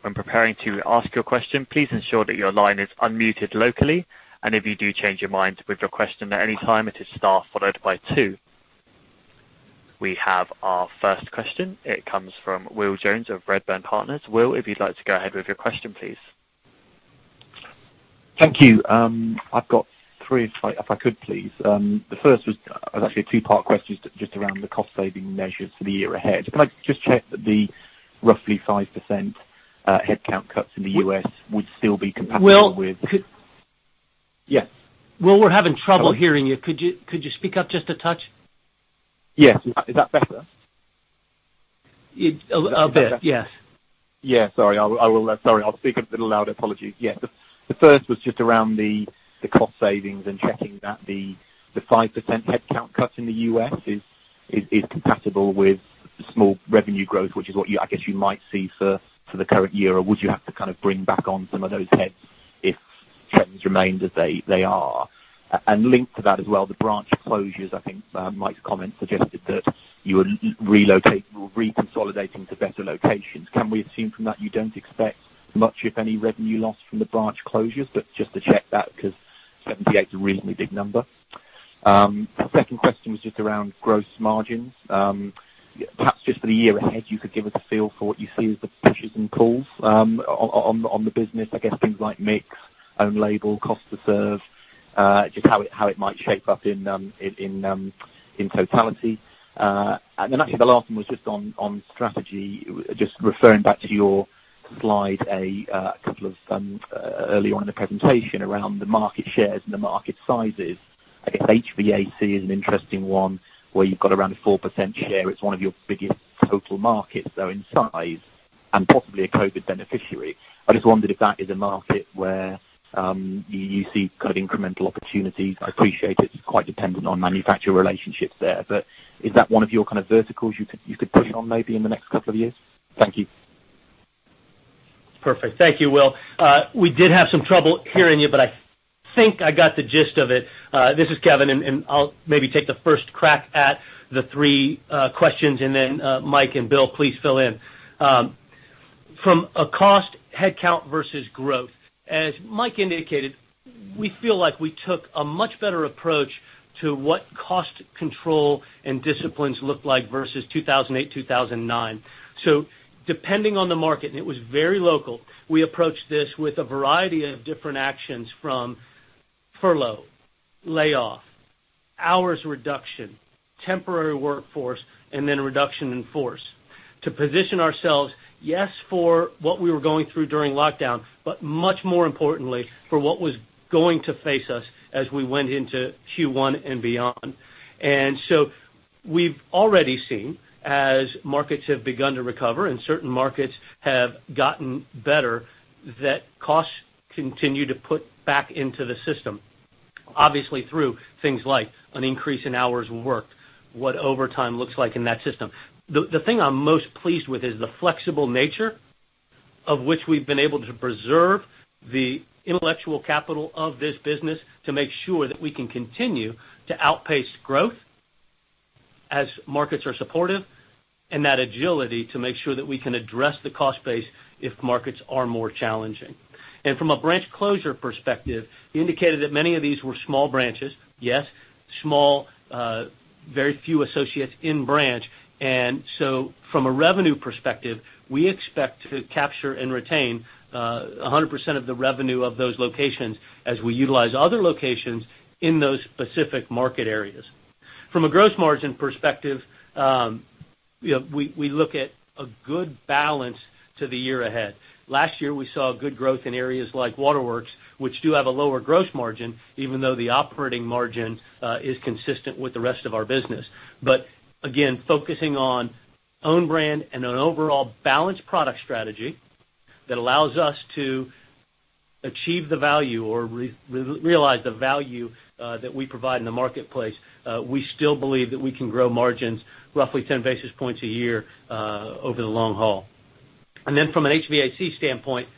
[SPEAKER 1] When preparing to ask your question, please ensure that your line is unmuted locally. If you do change your mind with your question at any time, it is star followed by 2. We have our first question. It comes from Will Jones of Redburn Partners. Will, if you'd like to go ahead with your question, please.
[SPEAKER 4] Thank you. I've got three if I could please. The first was actually a two-part question just around the cost-saving measures for the year ahead. Can I just check that the roughly 5% headcount cuts in the U.S. would still be compatible.
[SPEAKER 2] Will.
[SPEAKER 4] Yeah.
[SPEAKER 2] Will, we're having trouble hearing you. Could you speak up just a touch?
[SPEAKER 4] Yes. Is that better?
[SPEAKER 2] A bit. Yes.
[SPEAKER 4] Sorry. I'll speak up a little louder. Apologies. The first was just around the cost savings and checking that the 5% headcount cuts in the U.S. is compatible with small revenue growth, which is what you, I guess you might see for the current year. Or would you have to kind of bring back on some of those heads if trends remain as they are? Linked to that as well, the branch closures, I think Mike's comment suggested that you are reconsolidating to better locations. Can we assume from that you don't expect much, if any, revenue loss from the branch closures? Just to check that because 78 is a reasonably big number. Second question was just around gross margins. Perhaps just for the year ahead, you could give us a feel for what you see as the pushes and pulls on the business. I guess things like mix, own label, cost to serve, just how it might shape up in totality. Actually the last one was just on strategy. Just referring back to your slide a couple of earlier on in the presentation around the market shares and the market sizes. I guess HVAC is an interesting one where you've got around a 4% share. It's one of your biggest total markets, though, in size and possibly a COVID beneficiary. I just wondered if that is a market where you see kind of incremental opportunities. I appreciate it's quite dependent on manufacturer relationships there, but is that one of your kind of verticals you could push on maybe in the next couple of years? Thank you.
[SPEAKER 2] Perfect. Thank you, Will. We did have some trouble hearing you, but I think I got the gist of it. This is Kevin, and I'll maybe take the first crack at the three questions, and then Mike and Bill, please fill in. From a cost headcount versus growth, as Mike indicated, we feel like we took a much better approach to what cost control and disciplines looked like versus 2008, 2009. Depending on the market, and it was very local, we approached this with a variety of different actions from furlough, layoff, hours reduction, temporary workforce, and then reduction in force to position ourselves, yes, for what we were going through during lockdown, but much more importantly for what was going to face us as we went into Q1 and beyond. We've already seen, as markets have begun to recover and certain markets have gotten better, that costs continue to put back into the system, obviously through things like an increase in hours worked, what overtime looks like in that system. The thing I'm most pleased with is the flexible nature of which we've been able to preserve the intellectual capital of this business to make sure that we can continue to outpace growth as markets are supportive, and that agility to make sure that we can address the cost base if markets are more challenging. From a branch closure perspective, you indicated that many of these were small branches. Yes, small, very few associates in branch. From a revenue perspective, we expect to capture and retain 100% of the revenue of those locations as we utilize other locations in those specific market areas. From a gross margin perspective, you know, we look at a good balance to the year ahead. Last year, we saw good growth in areas like Waterworks, which do have a lower gross margin, even though the operating margin is consistent with the rest of our business. Focusing on own brand and an overall balanced product strategy that allows us to achieve the value or realize the value that we provide in the marketplace, we still believe that we can grow margins roughly 10 basis points a year over the long haul. From an HVAC standpoint,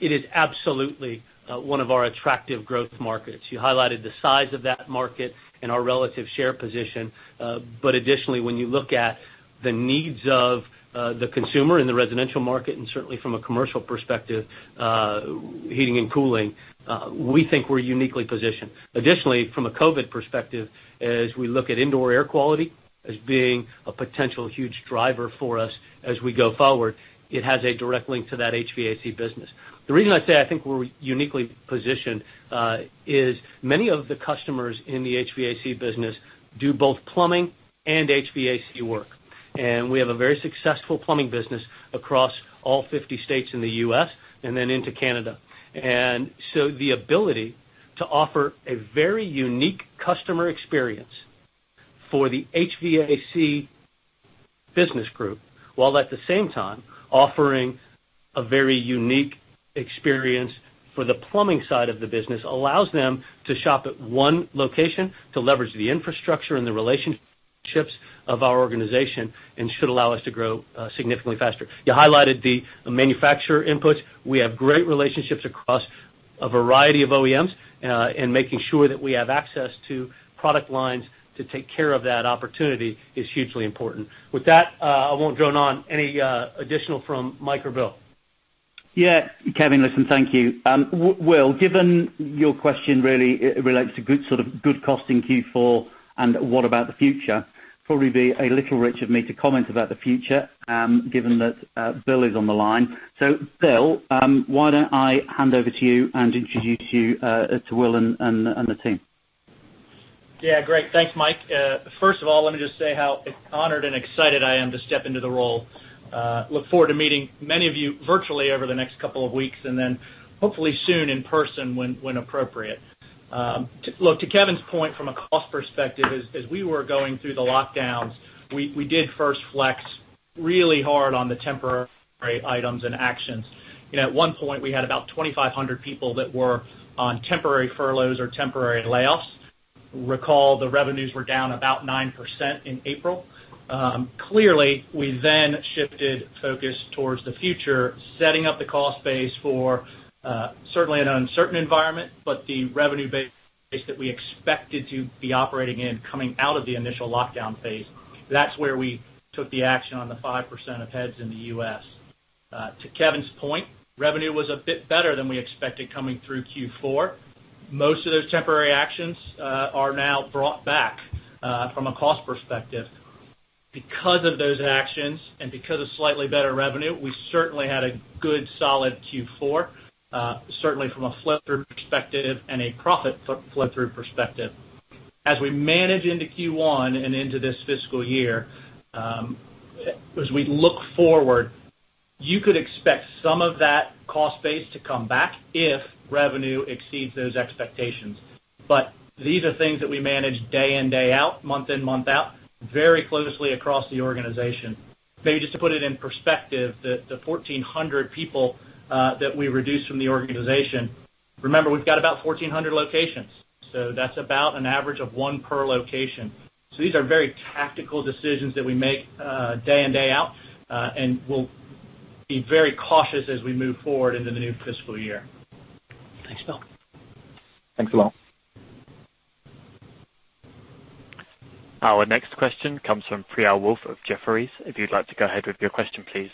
[SPEAKER 2] it is absolutely one of our attractive growth markets. You highlighted the size of that market and our relative share position. Additionally, when you look at the needs of the consumer in the residential market and certainly from a commercial perspective, heating and cooling, we think we're uniquely positioned. Additionally, from a COVID perspective, as we look at indoor air quality as being a potential huge driver for us as we go forward, it has a direct link to that HVAC business. The reason I say I think we're uniquely positioned is many of the customers in the HVAC business do both plumbing and HVAC work. We have a very successful plumbing business across all 50 states in the U.S. and then into Canada. The ability to offer a very unique customer experience for the HVAC business group, while at the same time offering a very unique experience for the plumbing side of the business, allows them to shop at one location to leverage the infrastructure and the relationships of our organization and should allow us to grow significantly faster. You highlighted the manufacturer inputs. We have great relationships across a variety of OEMs, and making sure that we have access to product lines to take care of that opportunity is hugely important. With that, I won't drone on. Any additional from Mike or Bill?
[SPEAKER 3] Yeah. Kevin, listen, thank you. Will, given your question really relates to good sort of costing Q4 and what about the future, probably be a little rich of me to comment about the future, given that Bill is on the line. Bill, why don't I hand over to you and introduce you to Will and the team?
[SPEAKER 5] Yeah. Great. Thanks, Mike. First of all, let me just say how honored and excited I am to step into the role. Look forward to meeting many of you virtually over the next couple of weeks, and then hopefully soon in person when appropriate. Look, to Kevin's point from a cost perspective, as we were going through the lockdowns, we did first flex really hard on the temporary items and actions. You know, at one point, we had about 2,500 people that were on temporary furloughs or temporary layoffs. Recall, the revenues were down about 9% in April. Clearly, we then shifted focus towards the future, setting up the cost base for certainly an uncertain environment, but the revenue base that we expected to be operating in coming out of the initial lockdown phase. That's where we took the action on the 5% of heads in the U.S. To Kevin's point, revenue was a bit better than we expected coming through Q4. Most of those temporary actions are now brought back from a cost perspective. Because of those actions and because of slightly better revenue, we certainly had a good solid Q4, certainly from a flow-through perspective and a profit flow-through perspective. As we manage into Q1 and into this fiscal year, as we look forward, you could expect some of that cost base to come back if revenue exceeds those expectations. These are things that we manage day in, day out, month in, month out very closely across the organization. Maybe just to put it in perspective, the 1,400 people that we reduced from the organization, remember, we've got about 1,400 locations. That's about an average of one per location. These are very tactical decisions that we make day in, day out, and we'll be very cautious as we move forward into the new fiscal year.
[SPEAKER 4] Thanks, Bill.
[SPEAKER 5] Thanks a lot.
[SPEAKER 1] Our next question comes from Priyal Woolf of Jefferies. If you'd like to go ahead with your question, please.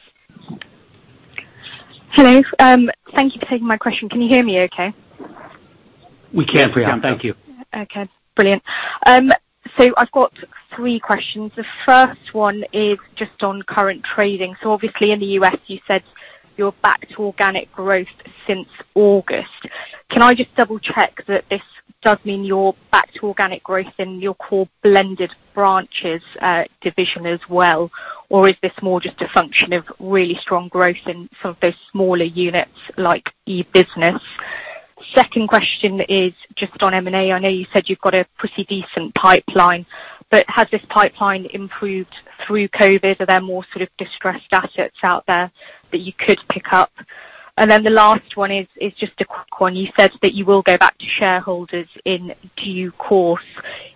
[SPEAKER 6] Hello. Thank you for taking my question. Can you hear me okay?
[SPEAKER 2] We can, Priyal. Thank you.
[SPEAKER 6] Okay, brilliant. I've got thre questions. The first one is just on current trading. Obviously in the U.S. you said you're back to organic growth since August. Can I just double-check that this does mean you're back to organic growth in your core Blended Branches division as well? Or is this more just a function of really strong growth in some of those smaller units like e-business? Second question is just on M&A. I know you said you've got a pretty decent pipeline, has this pipeline improved through COVID? Are there more sort of distressed assets out there that you could pick up? The last one is just a quick one. You said that you will go back to shareholders in due course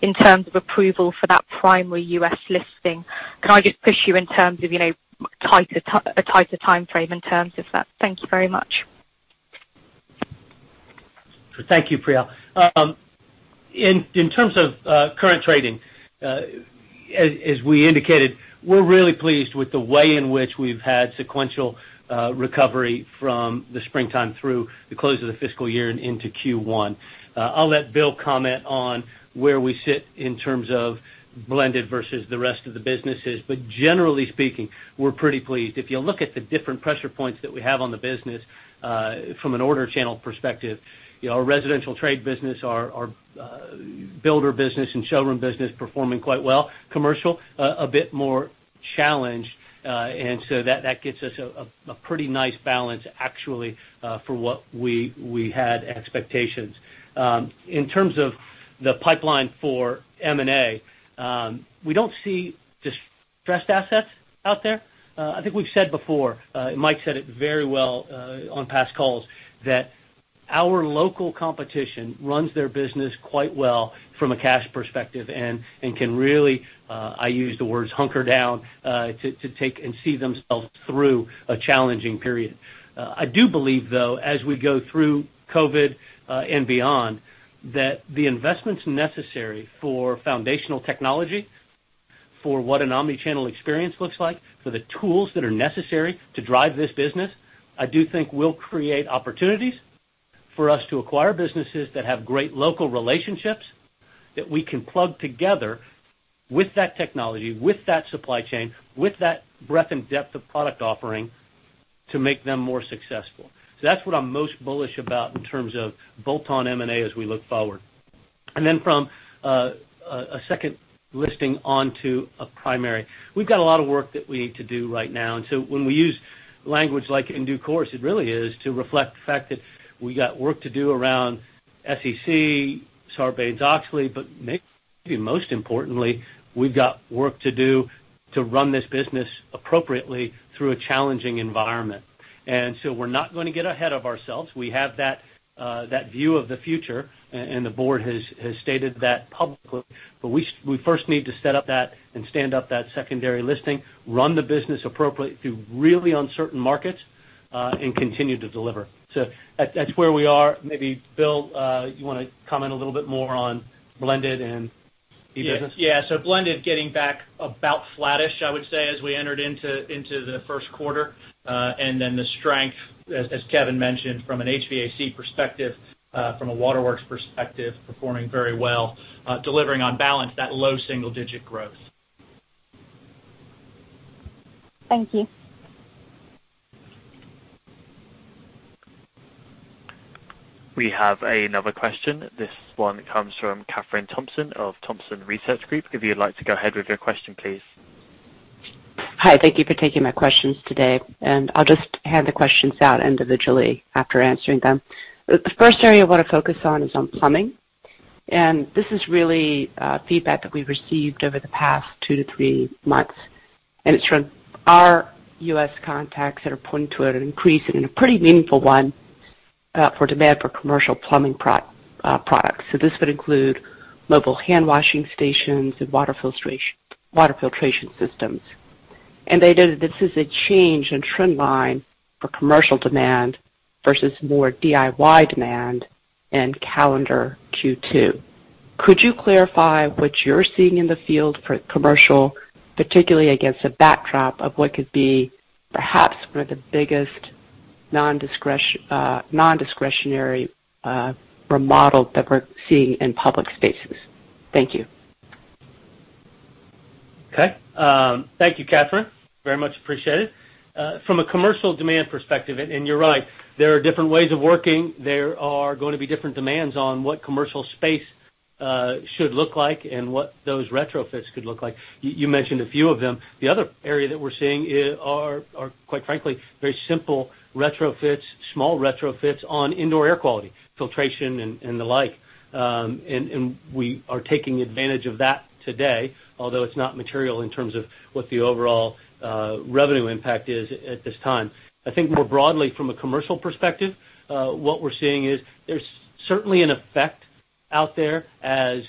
[SPEAKER 6] in terms of approval for that primary U.S. listing. Can I just push you in terms of, you know, a tighter timeframe in terms of that? Thank you very much.
[SPEAKER 2] Thank you, Priyal. In terms of current trading, as we indicated, we're really pleased with the way in which we've had sequential recovery from the springtime through the close of the fiscal year and into Q1. I'll let Bill comment on where we sit in terms of blended versus the rest of the businesses, but generally speaking, we're pretty pleased. If you look at the different pressure points that we have on the business, from an order channel perspective, you know, our residential trade business, our builder business and showroom business performing quite well. Commercial, a bit more challenged. That gets us a pretty nice balance actually, for what we had expectations. In terms of the pipeline for M&A, we don't see distressed assets out there. I think we've said before, Mike said it very well on past calls, that our local competition runs their business quite well from a cash perspective and can really, I use the words hunker down, to take and see themselves through a challenging period. I do believe, though, as we go through COVID and beyond, that the investments necessary for foundational technology, for what an omnichannel experience looks like, for the tools that are necessary to drive this business, I do think will create opportunities for us to acquire businesses that have great local relationships, that we can plug together with that technology, with that supply chain, with that breadth and depth of product offering to make them more successful. That's what I'm most bullish about in terms of bolt-on M&A as we look forward. Then from a second listing onto a primary. We've got a lot of work that we need to do right now, so when we use language like in due course, it really is to reflect the fact that we got work to do around SEC, Sarbanes-Oxley, but maybe most importantly, we've got work to do to run this business appropriately through a challenging environment. We're not gonna get ahead of ourselves. We have that view of the future and the board has stated that publicly. We first need to set up that and stand up that secondary listing, run the business appropriately through really uncertain markets and continue to deliver. That's where we are. Maybe, Bill, you wanna comment a little bit more on blended and e-business?
[SPEAKER 5] Yeah. Yeah. Blended getting back about flattish, I would say, as we entered into the first quarter. And then the strength as Kevin mentioned from an HVAC perspective, from a Waterworks perspective, performing very well, delivering on balance that low single digit growth.
[SPEAKER 6] Thank you.
[SPEAKER 1] We have another question. This one comes from Kathryn Thompson of Thompson Research Group. If you would like to go ahead with your question, please.
[SPEAKER 7] Hi. Thank you for taking my questions today, I'll just hand the questions out individually after answering them. The first area I wanna focus on is on plumbing, this is really feedback that we've received over the past two to thre months, it's from our U.S. contacts that are pointing to an increase and a pretty meaningful one for demand for commercial plumbing pro products. This would include mobile hand washing stations and water filtration systems. They noted this is a change in trend line for commercial demand versus more DIY demand in calendar Q2. Could you clarify what you're seeing in the field for commercial, particularly against a backdrop of what could be perhaps one of the biggest non-discretionary remodels that we're seeing in public spaces? Thank you.
[SPEAKER 2] Okay. Thank you, Kathryn. Very much appreciated. From a commercial demand perspective, you're right, there are different ways of working. There are gonna be different demands on what commercial space should look like and what those retrofits could look like. You mentioned a few of them. The other area that we're seeing are quite frankly, very simple retrofits, small retrofits on indoor air quality, filtration and the like. We are taking advantage of that today, although it's not material in terms of what the overall revenue impact is at this time. I think more broadly from a commercial perspective, what we're seeing is there's certainly an effect out there as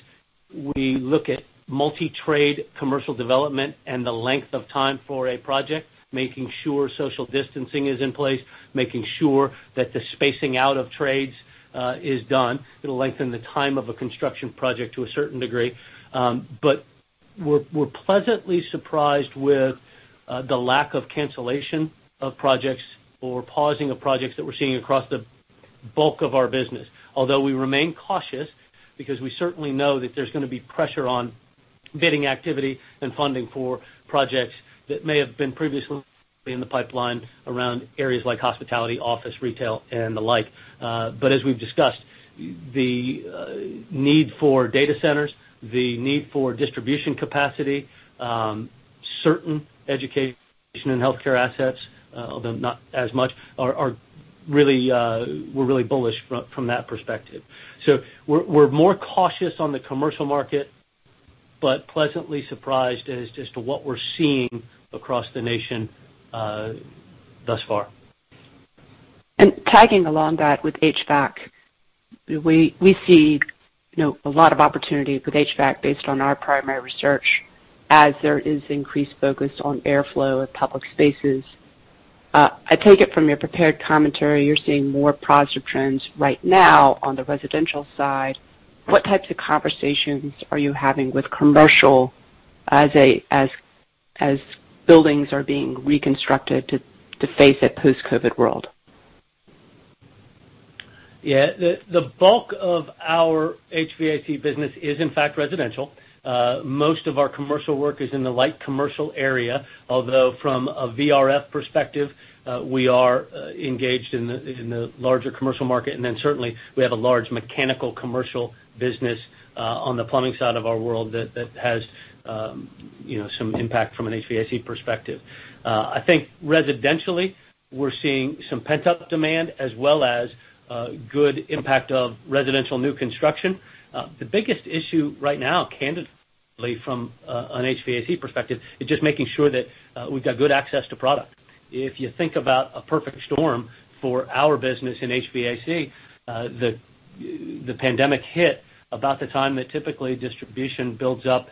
[SPEAKER 2] we look at multi-trade commercial development and the length of time for a project, making sure social distancing is in place, making sure that the spacing out of trades, is done. It'll lengthen the time of a construction project to a certain degree. We're pleasantly surprised with the lack of cancellation of projects or pausing of projects that we're seeing across the bulk of our business. Although we remain cautious because we certainly know that there's gonna be pressure on bidding activity and funding for projects that may have been previously in the pipeline around areas like hospitality, office, retail, and the like. As we've discussed, the need for data centers, the need for distribution capacity, certain education and healthcare assets, although not as much, are really we're really bullish from that perspective. We're more cautious on the commercial market, but pleasantly surprised as just to what we're seeing across the nation thus far.
[SPEAKER 7] Tagging along that with HVAC, we see, you know, a lot of opportunity with HVAC based on our primary research as there is increased focus on airflow of public spaces. I take it from your prepared commentary, you're seeing more positive trends right now on the residential side. What types of conversations are you having with commercial as buildings are being reconstructed to face a post-COVID world?
[SPEAKER 2] Yeah. The bulk of our HVAC business is, in fact, residential. Most of our commercial work is in the light commercial area. Although from a VRF perspective, we are engaged in the larger commercial market. Certainly, we have a large mechanical commercial business on the plumbing side of our world that has, you know, some impact from an HVAC perspective. I think residentially, we're seeing some pent-up demand as well as good impact of residential new construction. The biggest issue right now, candidly, from an HVAC perspective is just making sure that we've got good access to product. If you think about a perfect storm for our business in HVAC, the pandemic hit about the time that typically distribution builds up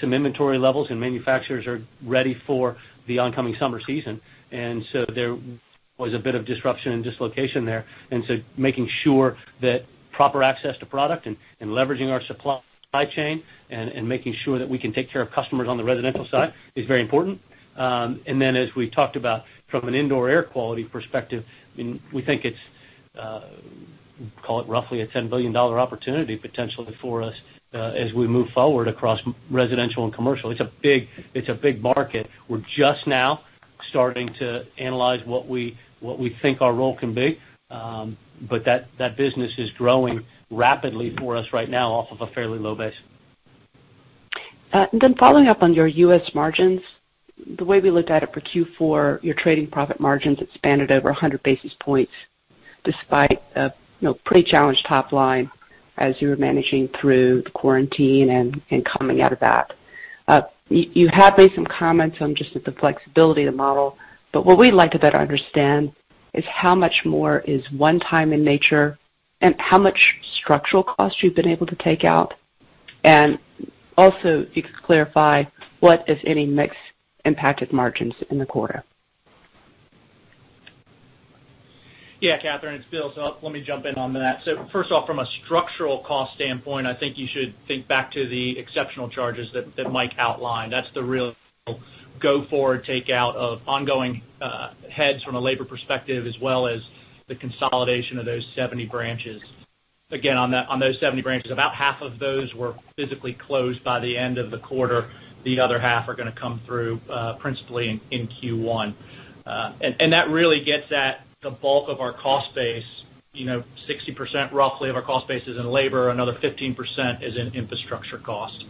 [SPEAKER 2] some inventory levels and manufacturers are ready for the oncoming summer season. There was a bit of disruption and dislocation there. Making sure that proper access to product and leveraging our supply chain and making sure that we can take care of customers on the residential side is very important. As we talked about from an indoor air quality perspective, I mean, we think it's call it roughly a $10 billion opportunity potentially for us as we move forward across residential and commercial. It's a big market. We're just now starting to analyze what we think our role can be. That business is growing rapidly for us right now off of a fairly low base.
[SPEAKER 7] Following up on your U.S. margins, the way we looked at it for Q4, your trading profit margins expanded over 100 basis points despite a, you know, pretty challenged top line as you were managing through the quarantine and coming out of that. You have made some comments on just the flexibility of the model, what we'd like to better understand is how much more is one-time in nature and how much structural cost you've been able to take out. Also, if you could clarify what is any mix impacted margins in the quarter.
[SPEAKER 5] Yeah, Kathryn, it's Bill. Let me jump in on that. First off, from a structural cost standpoint, I think you should think back to the exceptional charges that Mike outlined. That's the real go forward takeout of ongoing heads from a labor perspective, as well as the consolidation of those 70 branches. Again, on those 70 branches, about half of those were physically closed by the end of the quarter. The other half are gonna come through principally in Q1. That really gets at the bulk of our cost base. You know, 60% roughly of our cost base is in labor. Another 15% is in infrastructure cost.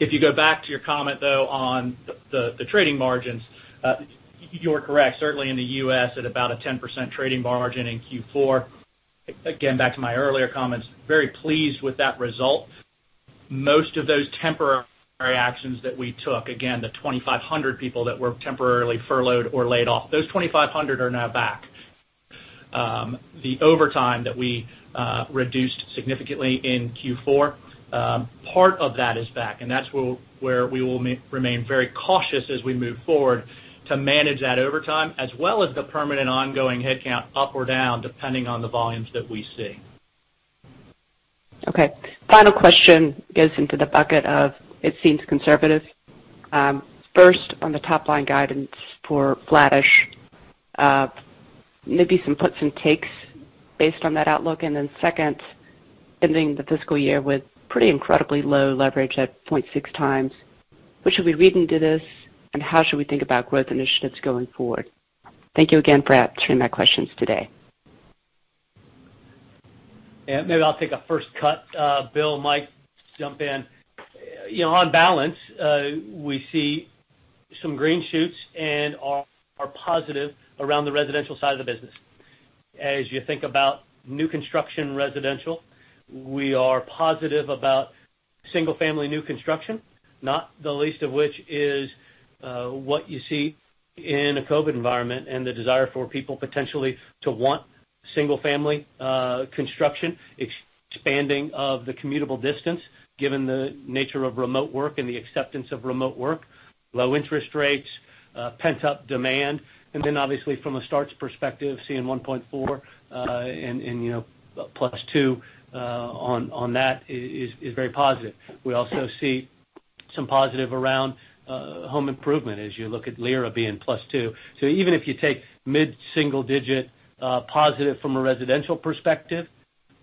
[SPEAKER 5] If you go back to your comment, though, on the trading margins, you are correct. Certainly in the U.S., at about a 10% trading margin in Q4. Back to my earlier comments, very pleased with that result. Most of those temporary actions that we took, again, the 2,500 people that were temporarily furloughed or laid off, those 2,500 are now back. The overtime that we reduced significantly in Q4, part of that is back, and that's where we will remain very cautious as we move forward to manage that overtime, as well as the permanent ongoing headcount up or down, depending on the volumes that we see.
[SPEAKER 7] Okay. Final question gets into the bucket of it seems conservative. First, on the top-line guidance for flattish, maybe some puts and takes based on that outlook. Second, ending the fiscal year with pretty incredibly low leverage at 0.6x. What should we read into this, and how should we think about growth initiatives going forward? Thank you again for answering my questions today.
[SPEAKER 2] Yeah. Maybe I'll take a first cut. Bill, Mike, jump in. You know, on balance, we see some green shoots and are positive around the residential side of the business. As you think about new construction residential, we are positive about single-family new construction, not the least of which is what you see in a COVID environment and the desire for people potentially to want single family construction, expanding of the commutable distance, given the nature of remote work and the acceptance of remote work, low interest rates. Pent-up demand. Obviously from a starts perspective, seeing 1.4x and, you know, +2 on that is very positive. We also see some positive around home improvement as you look at LIRA being +2. Even if you take mid-single-digit positive from a residential perspective,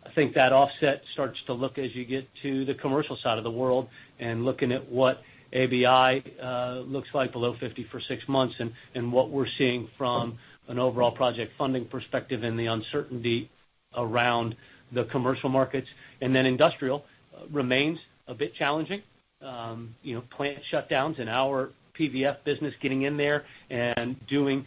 [SPEAKER 2] I think that offset starts to look as you get to the commercial side of the world and looking at what ABI looks like below 50 for six months, and what we're seeing from an overall project funding perspective and the uncertainty around the commercial markets. Industrial remains a bit challenging. You know, plant shutdowns and our PVF business getting in there and doing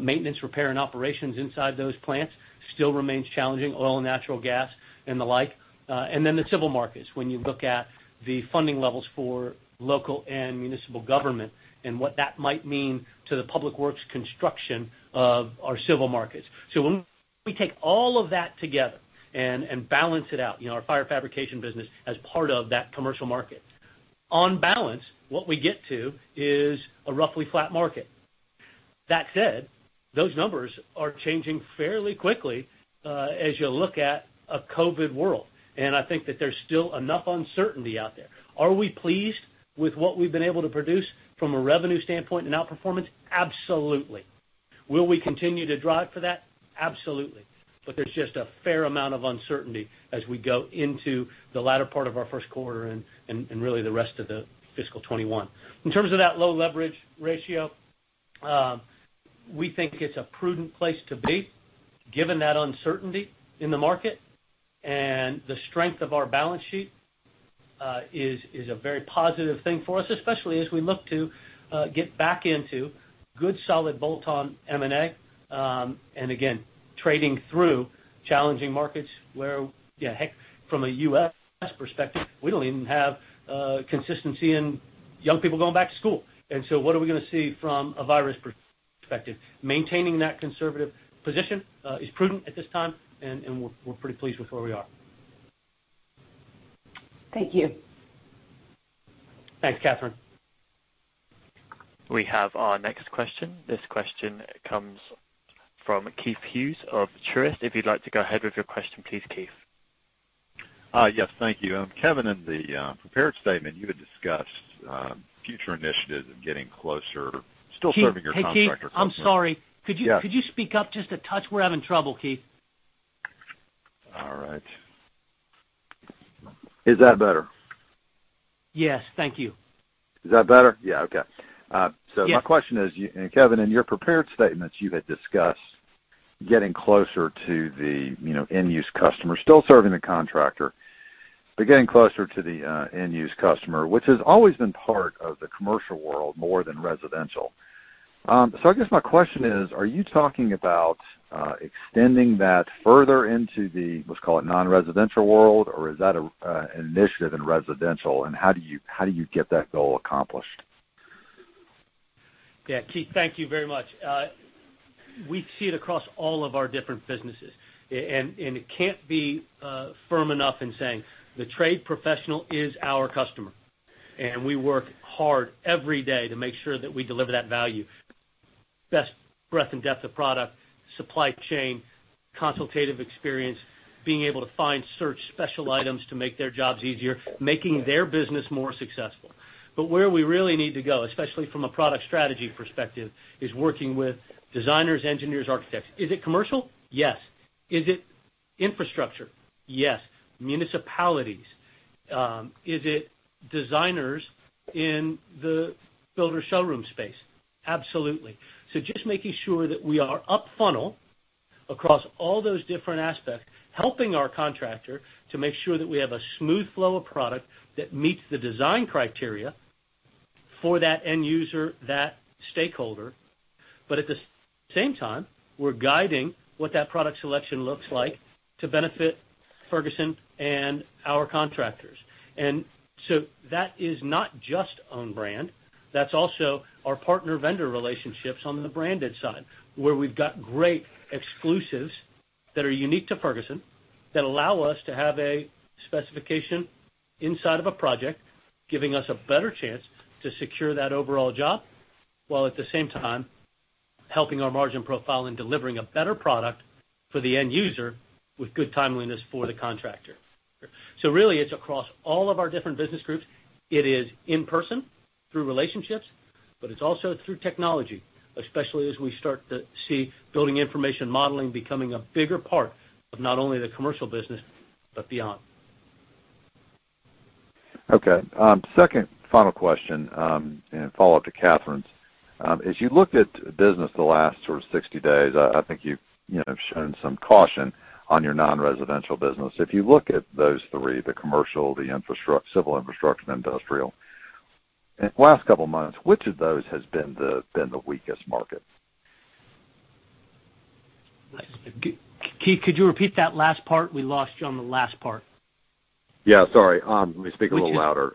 [SPEAKER 2] maintenance, repair, and operations inside those plants still remains challenging. Oil and natural gas and the like. The civil markets, when you look at the funding levels for local and municipal government and what that might mean to the public works construction of our civil markets. When we take all of that together and balance it out, you know, our fire fabrication business as part of that commercial market, on balance, what we get to is a roughly flat market. That said, those numbers are changing fairly quickly, as you look at a COVID world, and I think that there's still enough uncertainty out there. Are we pleased with what we've been able to produce from a revenue standpoint and outperformance? Absolutely. Will we continue to drive for that? Absolutely. There's just a fair amount of uncertainty as we go into the latter part of our first quarter and really the rest of the fiscal 2021. In terms of that low leverage ratio, we think it's a prudent place to be given that uncertainty in the market. The strength of our balance sheet is a very positive thing for us, especially as we look to get back into good, solid bolt-on M&A, and again, trading through challenging markets where, yeah, heck, from a U.S. perspective, we don't even have consistency in young people going back to school. What are we gonna see from a virus perspective? Maintaining that conservative position is prudent at this time, and we're pretty pleased with where we are.
[SPEAKER 7] Thank you.
[SPEAKER 2] Thanks, Kathryn.
[SPEAKER 1] We have our next question. This question comes from Keith Hughes of Truist. If you'd like to go ahead with your question, please, Keith.
[SPEAKER 8] Yes, thank you. Kevin, in the prepared statement, you had discussed future initiatives of getting closer, still serving your contractor.
[SPEAKER 2] Keith. Hey, Keith, I'm sorry.
[SPEAKER 8] Yeah.
[SPEAKER 2] Could you speak up just a touch? We're having trouble, Keith.
[SPEAKER 8] All right. Is that better?
[SPEAKER 2] Yes, thank you.
[SPEAKER 8] Is that better? Yeah. Okay.
[SPEAKER 2] Yeah.
[SPEAKER 8] My question is, Kevin, in your prepared statements, you had discussed getting closer to the, you know, end-use customer, still serving the contractor, but getting closer to the end-use customer, which has always been part of the commercial world more than residential. I guess my question is, are you talking about extending that further into the, let's call it non-residential world, or is that an initiative in residential, and how do you get that goal accomplished?
[SPEAKER 2] Yeah, Keith, thank you very much. We see it across all of our different businesses. And it can't be firm enough in saying the trade professional is our customer, and we work hard every day to make sure that we deliver that value. Best breadth and depth of product, supply chain, consultative experience, being able to find, search special items to make their jobs easier, making their business more successful. Where we really need to go, especially from a product strategy perspective, is working with designers, engineers, architects. Is it commercial? Yes. Is it infrastructure? Yes. Municipalities. Is it designers in the builder showroom space? Absolutely. Just making sure that we are up funnel across all those different aspects, helping our contractor to make sure that we have a smooth flow of product that meets the design criteria for that end user, that stakeholder. At the same time, we're guiding what that product selection looks like to benefit Ferguson and our contractors. That is not just own brand. That's also our partner vendor relationships on the branded side, where we've got great exclusives that are unique to Ferguson that allow us to have a specification inside of a project, giving us a better chance to secure that overall job, while at the same time helping our margin profile in delivering a better product for the end user with good timeliness for the contractor. Really it's across all of our different business groups. It is in person through relationships, but it's also through technology, especially as we start to see building information modeling becoming a bigger part of not only the commercial business but beyond.
[SPEAKER 8] Okay. Second final question, follow-up to Kathryn's. As you looked at business the last sort of 60 days, I think you've, you know, shown some caution on your non-residential business. If you look at those three, the commercial, the civil infrastructure, and industrial, in the last couple of months, which of those has been the weakest market?
[SPEAKER 2] Keith, could you repeat that last part? We lost you on the last part.
[SPEAKER 8] Yeah, sorry. Let me speak a little louder.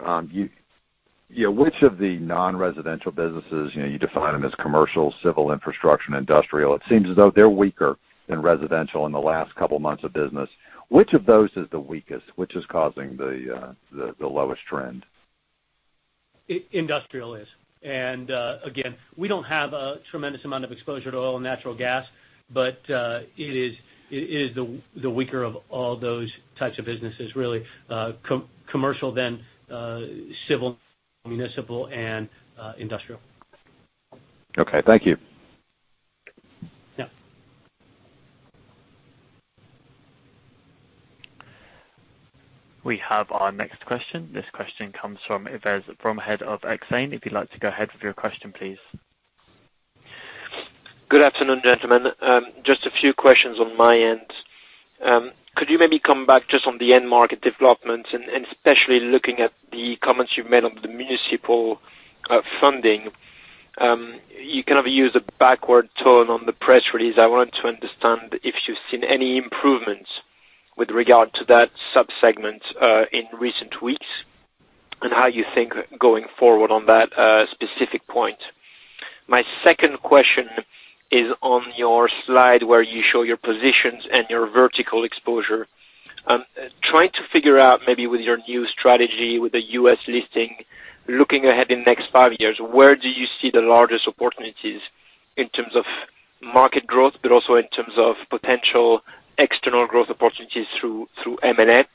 [SPEAKER 8] Yeah, which of the non-residential businesses, you know, you define them as commercial, civil infrastructure, and industrial. It seems as though they're weaker than residential in the last couple of months of business. Which of those is the weakest? Which is causing the lowest trend?
[SPEAKER 2] Industrial is. Again, we don't have a tremendous amount of exposure to oil and natural gas, but it is the weaker of all those types of businesses really, commercial then, civil, municipal, and industrial.
[SPEAKER 8] Okay, thank you.
[SPEAKER 2] Yeah.
[SPEAKER 1] We have our next question. This question comes from Yves Bromehead from Exane. If you'd like to go ahead with your question, please.
[SPEAKER 9] Good afternoon, gentlemen. Just a few questions on my end. Could you maybe come back just on the end market developments and especially looking at the comments you've made on the municipal funding? You kind of used a backward tone on the press release. I want to understand if you've seen any improvements with regard to that sub-segment in recent weeks, and how you think going forward on that specific point. My second question is on your slide where you show your positions and your vertical exposure. Trying to figure out maybe with your new strategy with the U.S. listing, looking ahead in the next five years, where do you see the largest opportunities in terms of market growth, but also in terms of potential external growth opportunities through M&A?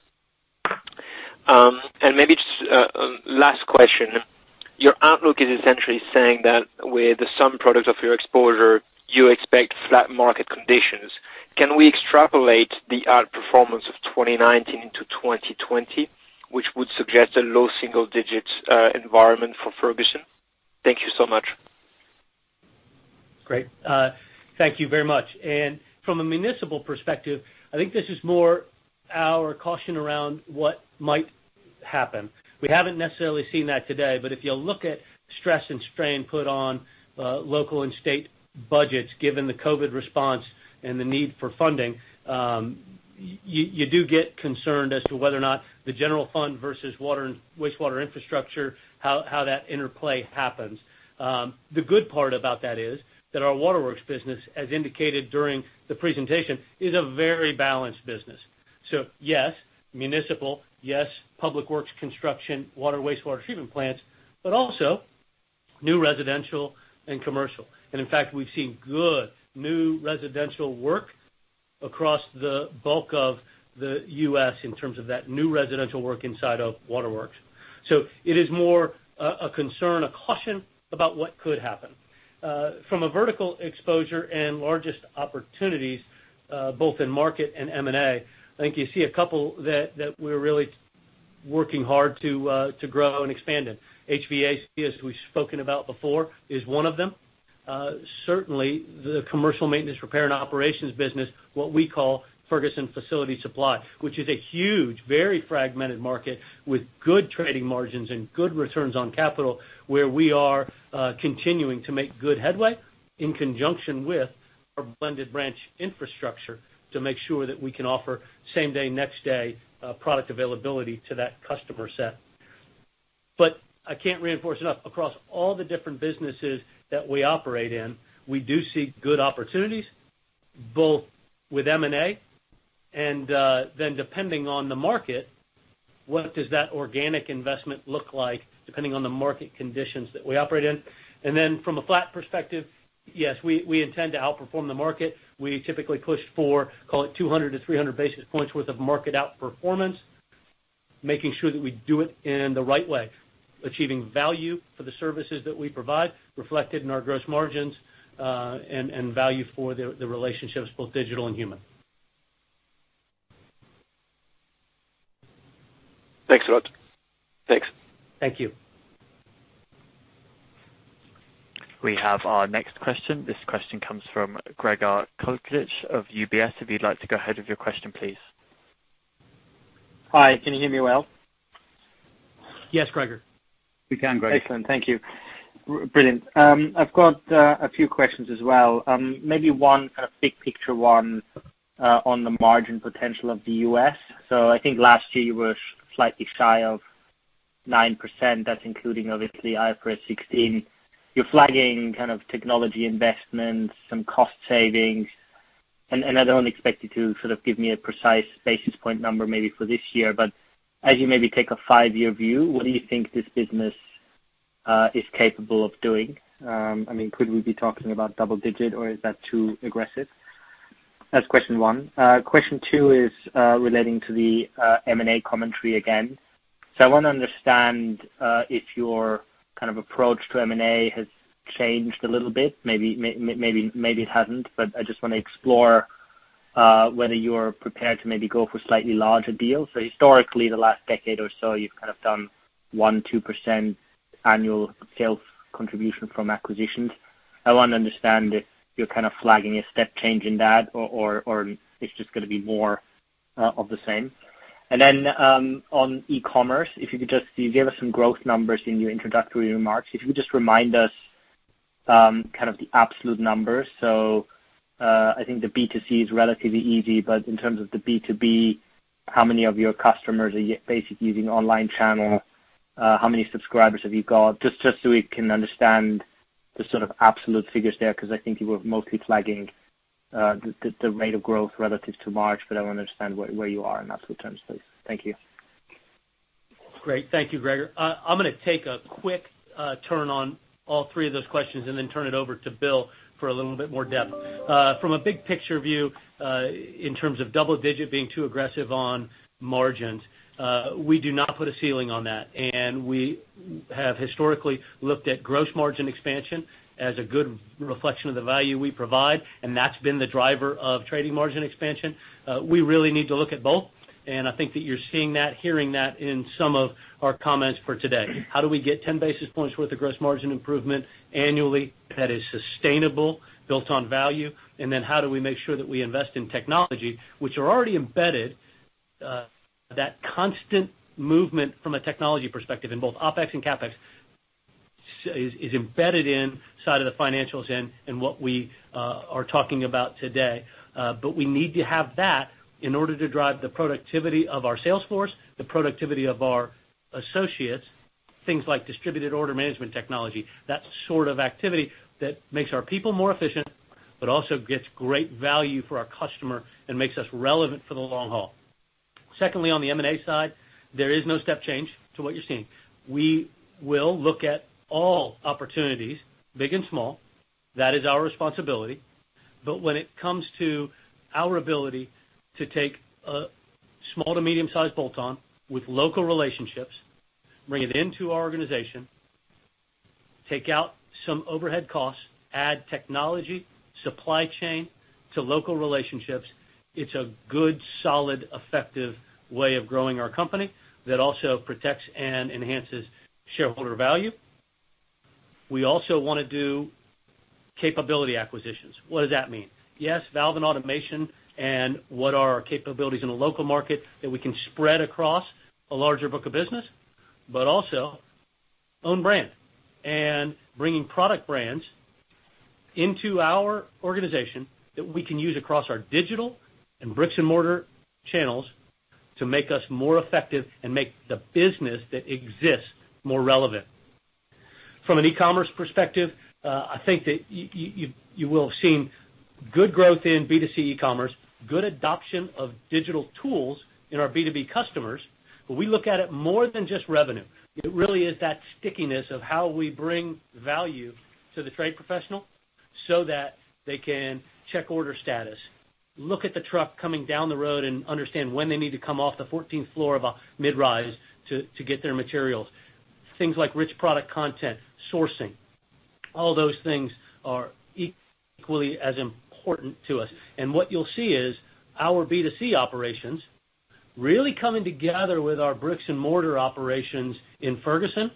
[SPEAKER 9] Maybe just last question, your outlook is essentially saying that with the sum product of your exposure, you expect flat market conditions. Can we extrapolate the outperformance of 2019 to 2020, which would suggest a low single digits environment for Ferguson? Thank you so much.
[SPEAKER 2] Great. Thank you very much. From a municipal perspective, I think this is more our caution around what might happen. We haven't necessarily seen that today, but if you look at stress and strain put on local and state budgets, given the COVID response and the need for funding, you do get concerned as to whether or not the general fund versus water and wastewater infrastructure, how that interplay happens. The good part about that is that our Waterworks business, as indicated during the presentation, is a very balanced business. Yes, municipal, yes, public works construction, water, wastewater treatment plants, but also new residential and commercial. In fact, we've seen good new residential work across the bulk of the U.S. in terms of that new residential work inside of Waterworks. It is more a concern, a caution about what could happen. From a vertical exposure and largest opportunities, both in market and M&A, I think you see a couple that we're really working hard to grow and expand in. HVAC, as we've spoken about before, is one of them. Certainly the commercial maintenance repair and operations business, what we call Ferguson Facility Supply, which is a huge, very fragmented market with good trading margins and good returns on capital, where we are continuing to make good headway in conjunction with our Blended Branches infrastructure to make sure that we can offer same day, next day product availability to that customer set. I can't reinforce enough, across all the different businesses that we operate in, we do see good opportunities, both with M&A and then depending on the market, what does that organic investment look like depending on the market conditions that we operate in. Then from a flat perspective, yes, we intend to outperform the market. We typically push for, call it 200 to 300 basis points worth of market outperformance, making sure that we do it in the right way, achieving value for the services that we provide, reflected in our gross margins, and value for the relationships, both digital and human.
[SPEAKER 9] Thanks a lot. Thanks.
[SPEAKER 2] Thank you.
[SPEAKER 1] We have our next question. This question comes from Gregor Kuglitsch of UBS. If you'd like to go ahead with your question, please.
[SPEAKER 10] Hi. Can you hear me well?
[SPEAKER 2] Yes, Gregor.
[SPEAKER 3] We can, Gregor.
[SPEAKER 10] Excellent. Thank you. Brilliant. I've got a few questions as well. Maybe one, a big picture one, on the margin potential of the U.S. I think last year you were slightly shy of 9%. That's including obviously IFRS 16. You're flagging kind of technology investments, some cost savings. I don't expect you to sort of give me a precise basis point number maybe for this year, but as you maybe take a five-year view, what do you think this business is capable of doing? I mean, could we be talking about double-digit or is that too aggressive? That's question one. Question two is relating to the M&A commentary again. I wanna understand if your kind of approach to M&A has changed a little bit. Maybe it hasn't, but I just wanna explore whether you're prepared to maybe go for slightly larger deals. Historically, the last decade or so, you've kind of done 1%, 2% annual sales contribution from acquisitions. I wanna understand if you're kind of flagging a step change in that or it's just gonna be more of the same. On e-commerce, You gave us some growth numbers in your introductory remarks. If you could just remind us, kind of the absolute numbers. I think the B2C is relatively easy, but in terms of the B2B, how many of your customers are basically using online channel? How many subscribers have you got? Just so we can understand the sort of absolute figures there, 'cause I think you were mostly flagging, the rate of growth relative to margin, but I wanna understand where you are in absolute terms, please. Thank you.
[SPEAKER 2] Great. Thank you, Gregor. I'm going to take a quick turn on all three of those questions and then turn it over to Bill for a little bit more depth. From a big-picture view, in terms of double-digit being too aggressive on margins, we do not put a ceiling on that, and we have historically looked at gross margin expansion as a good reflection of the value we provide, and that's been the driver of trading margin expansion. We really need to look at both, and I think that you're seeing that, hearing that in some of our comments for today. How do we get 10 basis points worth of gross margin improvement annually that is sustainable, built on value? How do we make sure that we invest in technology which are already embedded, that constant movement from a technology perspective in both OpEx and CapEx is embedded inside of the financials in what we are talking about today. But we need to have that in order to drive the productivity of our sales force, the productivity of our associates, things like distributed order management technology. That sort of activity that makes our people more efficient, but also gets great value for our customer and makes us relevant for the long haul. On the M&A side, there is no step change to what you're seeing. We will look at all opportunities, big and small. That is our responsibility. When it comes to our ability to take a small to medium-sized bolt-on with local relationships, bring it into our organization, take out some overhead costs, add technology, supply chain to local relationships, it's a good, solid, effective way of growing our company that also protects and enhances shareholder value. We also wanna do capability acquisitions. What does that mean? Yes, valve and automation, what are our capabilities in a local market that we can spread across a larger book of business, but also own brand. Bringing product brands into our organization that we can use across our digital and bricks-and-mortar channels to make us more effective and make the business that exists more relevant. From an e-commerce perspective, I think that you will have seen good growth in B2C e-commerce, good adoption of digital tools in our B2B customers, but we look at it more than just revenue. It really is that stickiness of how we bring value to the trade professional so that they can check order status, look at the truck coming down the road and understand when they need to come off the 14th floor of a mid-rise to get their materials. Things like rich product content, sourcing, all those things are equally as important to us. What you'll see is our B2C operations really coming together with our bricks-and-mortar operations in Ferguson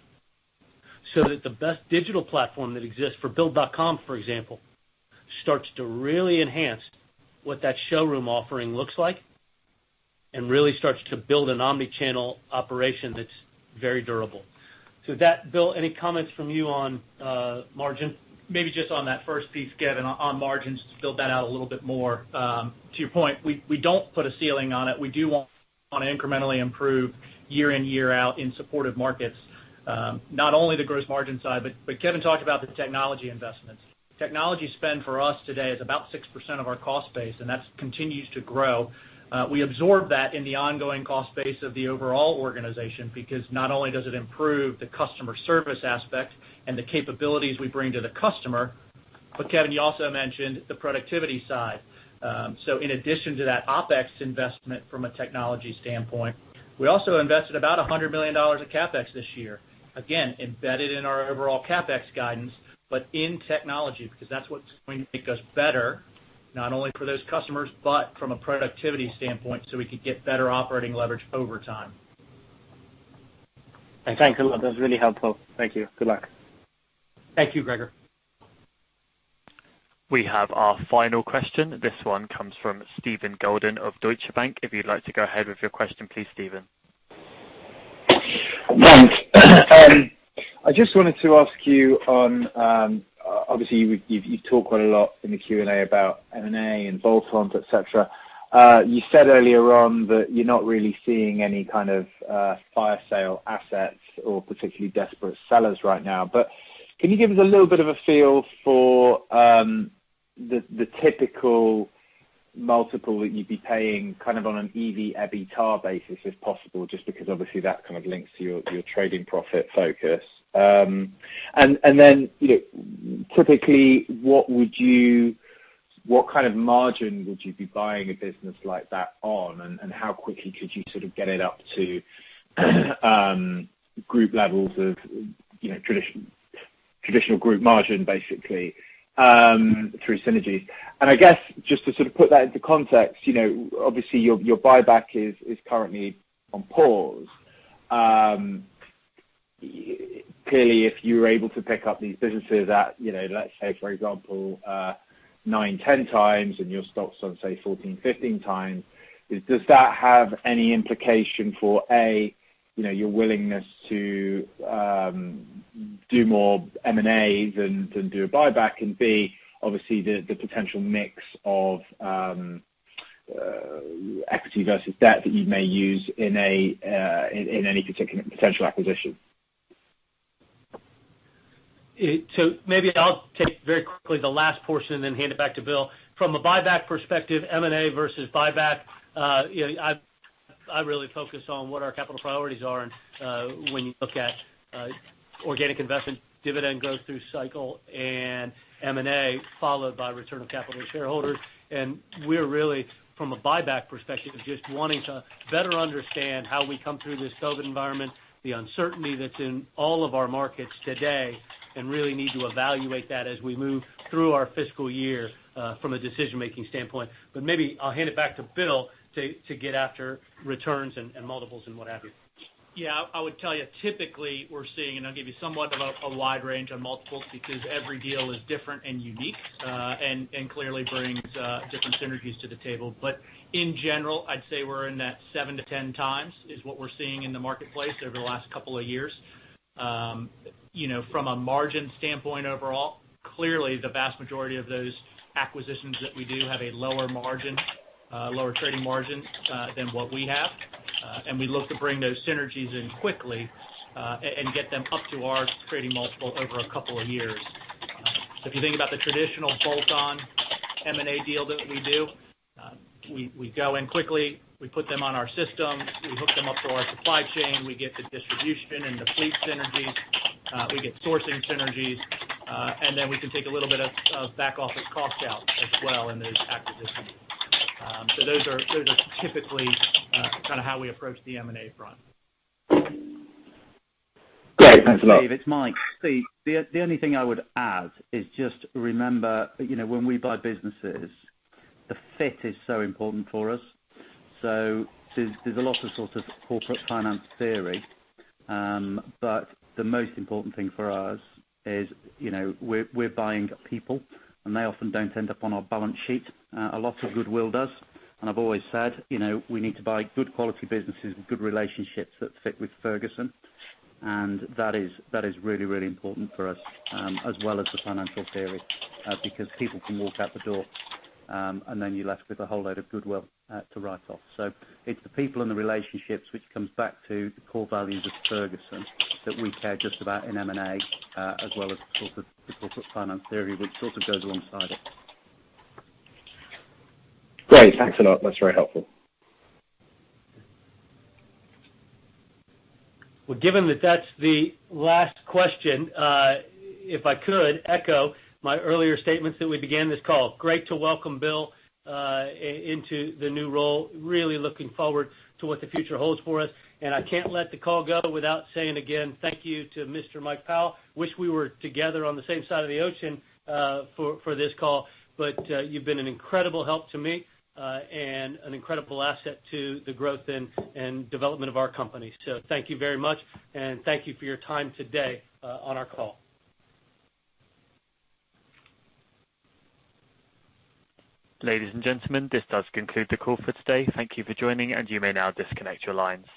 [SPEAKER 2] so that the best digital platform that exists for Build.com, for example, starts to really enhance what that showroom offering looks like and really starts to build an omnichannel operation that's very durable. With that, Bill, any comments from you on margin?
[SPEAKER 5] Maybe just on that first piece, Kevin, and on margins, to build that out a little bit more. To your point, we don't put a ceiling on it. We do wanna incrementally improve year in, year out in supportive markets, not only the gross margin side, but Kevin talked about the technology investments. Technology spend for us today is about 6% of our cost base, and that's continues to grow. We absorb that in the ongoing cost base of the overall organization because not only does it improve the customer service aspect and the capabilities we bring to the customer, but Kevin, you also mentioned the productivity side. In addition to that OpEx investment from a technology standpoint, we also invested about $100 million of CapEx this year. Embedded in our overall CapEx guidance, but in technology, because that's what's going to make us better, not only for those customers, but from a productivity standpoint, so we could get better operating leverage over time.
[SPEAKER 10] Thanks a lot. That's really helpful. Thank you. Good luck.
[SPEAKER 2] Thank you, Gregor.
[SPEAKER 1] We have our final question. This one comes from Steven Goulden of Deutsche Bank. If you'd like to go ahead with your question, please, Steven.
[SPEAKER 11] Thanks. I just wanted to ask you on, obviously, you've talked quite a lot in the Q&A about M&A and bolt-ons, et cetera. You said earlier on that you're not really seeing any kind of fire sale assets or particularly desperate sellers right now. Can you give us a little bit of a feel for the typical multiple that you'd be paying kind of on an EV/EBITDA basis, if possible, just because obviously that kind of links to your trading profit focus. You know, typically, what kind of margin would you be buying a business like that on? How quickly could you sort of get it up to group levels of, you know, traditional group margin, basically, through synergies? I guess just to sort of put that into context, you know, obviously your buyback is currently on pause. Clearly, if you were able to pick up these businesses at, you know, let's say, for example, 9x, 10x and your stock's on, say, 14x, 15x, does that have any implication for, A, you know, your willingness to do more M&A than do a buyback? B, obviously the potential mix of equity versus debt that you may use in any particular potential acquisition.
[SPEAKER 2] Maybe I'll take very quickly the last portion, then hand it back to Bill. From a buyback perspective, M&A versus buyback, you know, I really focus on what our capital priorities are, and when you look at organic investment, dividend growth through cycle and M&A, followed by return of capital to shareholders. We're really, from a buyback perspective, just wanting to better understand how we come through this COVID environment, the uncertainty that's in all of our markets today, and really need to evaluate that as we move through our fiscal year from a decision-making standpoint. Maybe I'll hand it back to Bill to get after returns and multiples and what have you.
[SPEAKER 5] Yeah, I would tell you, typically we're seeing, and I'll give you somewhat of a wide range of multiples because every deal is different and unique, and clearly brings different synergies to the table. In general, I'd say we're in that 7x-10x is what we're seeing in the marketplace over the last couple of years. You know, from a margin standpoint overall, clearly the vast majority of those acquisitions that we do have a lower margin, lower trading margin, than what we have. We look to bring those synergies in quickly, and get them up to our trading multiple over a couple of years. If you think about the traditional bolt-on M&A deal that we do, we go in quickly, we put them on our system, we hook them up to our supply chain, we get the distribution and the fleet synergies, we get sourcing synergies. Then we can take a little bit of back-office cost out as well in those acquisitions. Those are typically kind of how we approach the M&A front.
[SPEAKER 11] Great. Thanks a lot.
[SPEAKER 3] Steve, it's Mike. The only thing I would add is just remember, you know, when we buy businesses, the fit is so important for us. There's a lot of sort of corporate finance theory, but the most important thing for us is, you know, we're buying people and they often don't end up on our balance sheet. A lot of goodwill does. I've always said, you know, we need to buy good quality businesses and good relationships that fit with Ferguson. That is really, really important for us as well as the financial theory, because people can walk out the door, and then you're left with a whole load of goodwill to write off. It's the people and the relationships which comes back to the core values of Ferguson that we care just about in M&A, as well as sort of the corporate finance theory, which sort of goes alongside it.
[SPEAKER 11] Great. Thanks a lot. That's very helpful.
[SPEAKER 2] Given that that's the last question, if I could echo my earlier statements that we began this call, great to welcome Bill into the new role. Really looking forward to what the future holds for us. I can't let the call go without saying again, thank you to Mr. Mike Powell. Wish we were together on the same side of the ocean for this call. You've been an incredible help to me and an incredible asset to the growth and development of our company. Thank you very much, and thank you for your time today on our call.
[SPEAKER 1] Ladies and gentlemen, this does conclude the call for today. Thank you for joining, and you may now disconnect your lines.